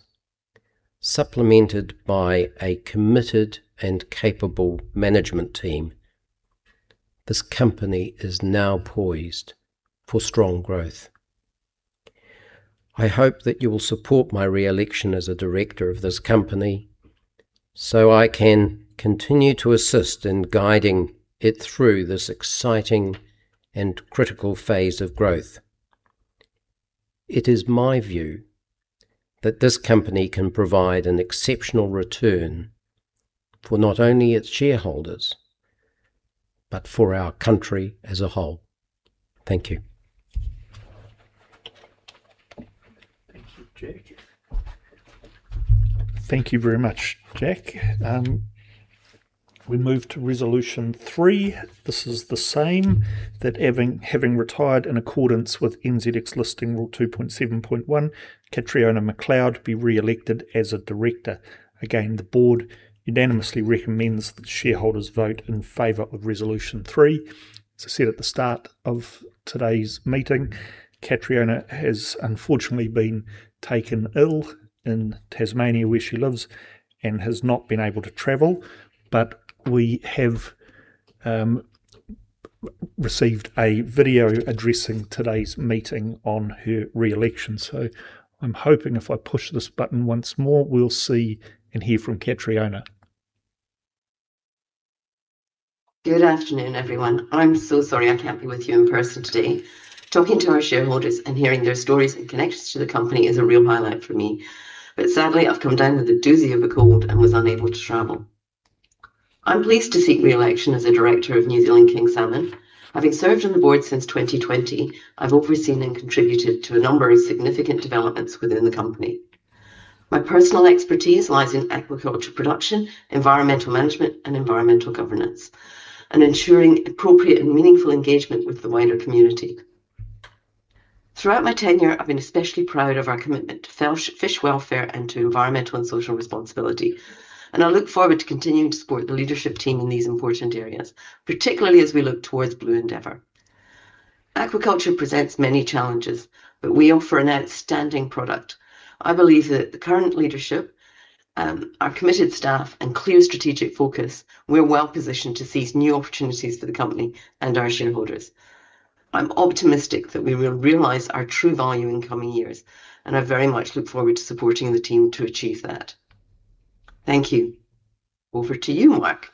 supplemented by a committed and capable management team, this company is now poised for strong growth. I hope that you will support my re-election as a director of this company, so I can continue to assist in guiding it through this exciting and critical phase of growth. It is my view that this company can provide an exceptional return for not only its shareholders, but for our country as a whole. Thank you. Thank you, Jack. Thank you very much, Jack. We move to Resolution 3. This is the same, that having retired in accordance with NZX Listing Rule 2.7.1, Catriona Macleod be re-elected as a Director. Again, the board unanimously recommends that the shareholders vote in favor of Resolution 3. As I said at the start of today's meeting, Catriona has unfortunately been taken ill in Tasmania, where she lives, and has not been able to travel. But we have received a video addressing today's meeting on her re-election. So I'm hoping if I push this button once more, we'll see and hear from Catriona. Good afternoon, everyone. I'm so sorry I can't be with you in person today. Talking to our shareholders and hearing their stories and connections to the company is a real highlight for me. But sadly, I've come down with a doozy of a cold and was unable to travel. I'm pleased to seek re-election as a director of New Zealand King Salmon. Having served on the board since 2020, I've overseen and contributed to a number of significant developments within the company. My personal expertise lies in aquaculture production, environmental management, and environmental governance, and ensuring appropriate and meaningful engagement with the wider community. Throughout my tenure, I've been especially proud of our commitment to fish welfare and to environmental and social responsibility, and I look forward to continuing to support the leadership team in these important areas, particularly as we look towards Blue Endeavour. Aquaculture presents many challenges, but we offer an outstanding product. I believe that the current leadership, our committed staff, and clear strategic focus, we're well positioned to seize new opportunities for the company and our shareholders. I'm optimistic that we will realize our true value in coming years, and I very much look forward to supporting the team to achieve that. Thank you. Over to you, Mark.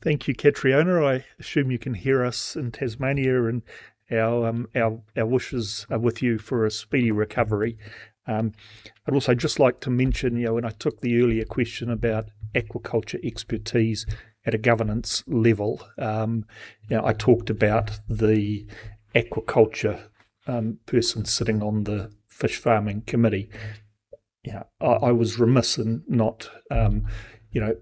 Thank you, Catriona. I assume you can hear us in Tasmania, and our wishes are with you for a speedy recovery. I'd also just like to mention, you know, when I took the earlier question about aquaculture expertise at a governance level I talked about the aquaculture person sitting on the fish farming committee. Yeah, I was remiss in not, you know,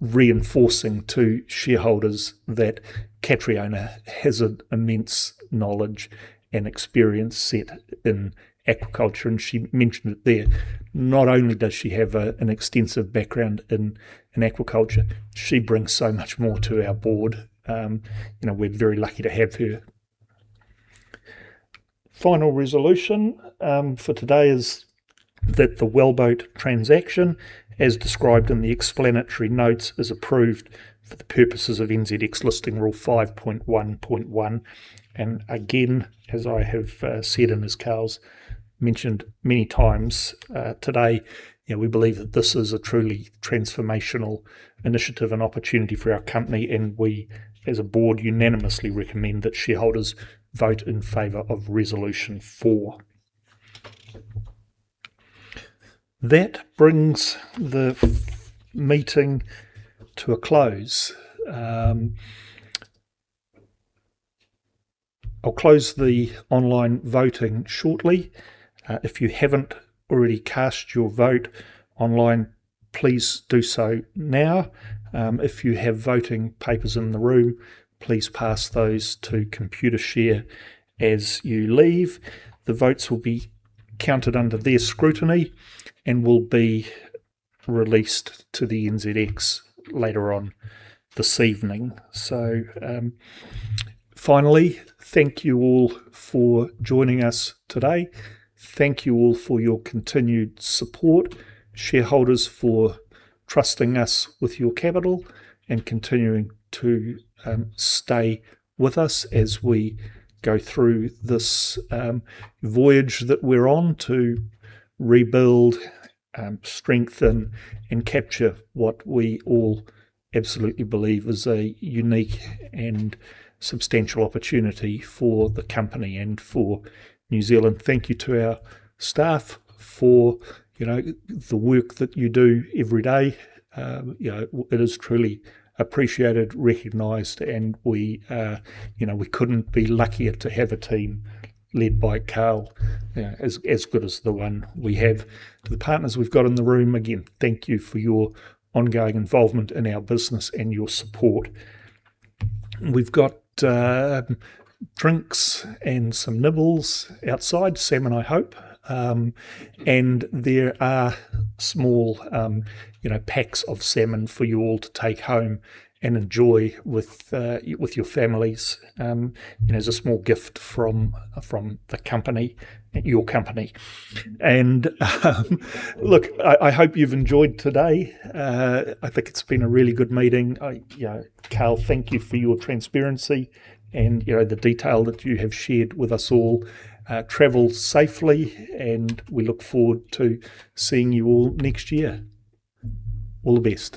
reinforcing to shareholders that Catriona has an immense knowledge and experience set in aquaculture, and she mentioned it there. Not only does she have an extensive background in aquaculture, she brings so much more to our board. You know, we're very lucky to have her. Final resolution for today is that the wellboat transaction, as described in the explanatory notes, is approved for the purposes of NZX Listing Rule 5.1.1. And again, as I have said and as Carl's mentioned many times today, you know, we believe that this is a truly transformational initiative and opportunity for our company, and we as a board unanimously recommend that shareholders vote in favor of Resolution four. That brings the meeting to a close. I'll close the online voting shortly. If you haven't already cast your vote online, please do so now. If you have voting papers in the room, please pass those to Computershare as you leave. The votes will be counted under their scrutiny and will be released to the NZX later on this evening. So, finally, thank you all for joining us today. Thank you all for your continued support, shareholders, for trusting us with your capital and continuing to stay with us as we go through this voyage that we're on to rebuild, strengthen, and capture what we all absolutely believe is a unique and substantial opportunity for the company and for New Zealand. Thank you to our staff for, you know, the work that you do every day. You know, it is truly appreciated, recognized, and we, you know, we couldn't be luckier to have a team led by Carl, as good as the one we have. To the partners we've got in the room, again, thank you for your ongoing involvement in our business and your support. We've got drinks and some nibbles outside, salmon, I hope. And there are small, you know, packs of salmon for you all to take home and enjoy with your families, you know, as a small gift from the company, your company. And look, I hope you've enjoyed today. I think it's been a really good meeting. You know, Carl, thank you for your transparency and the detail that you have shared with us all. Travel safely, and we look forward to seeing you all next year. All the best.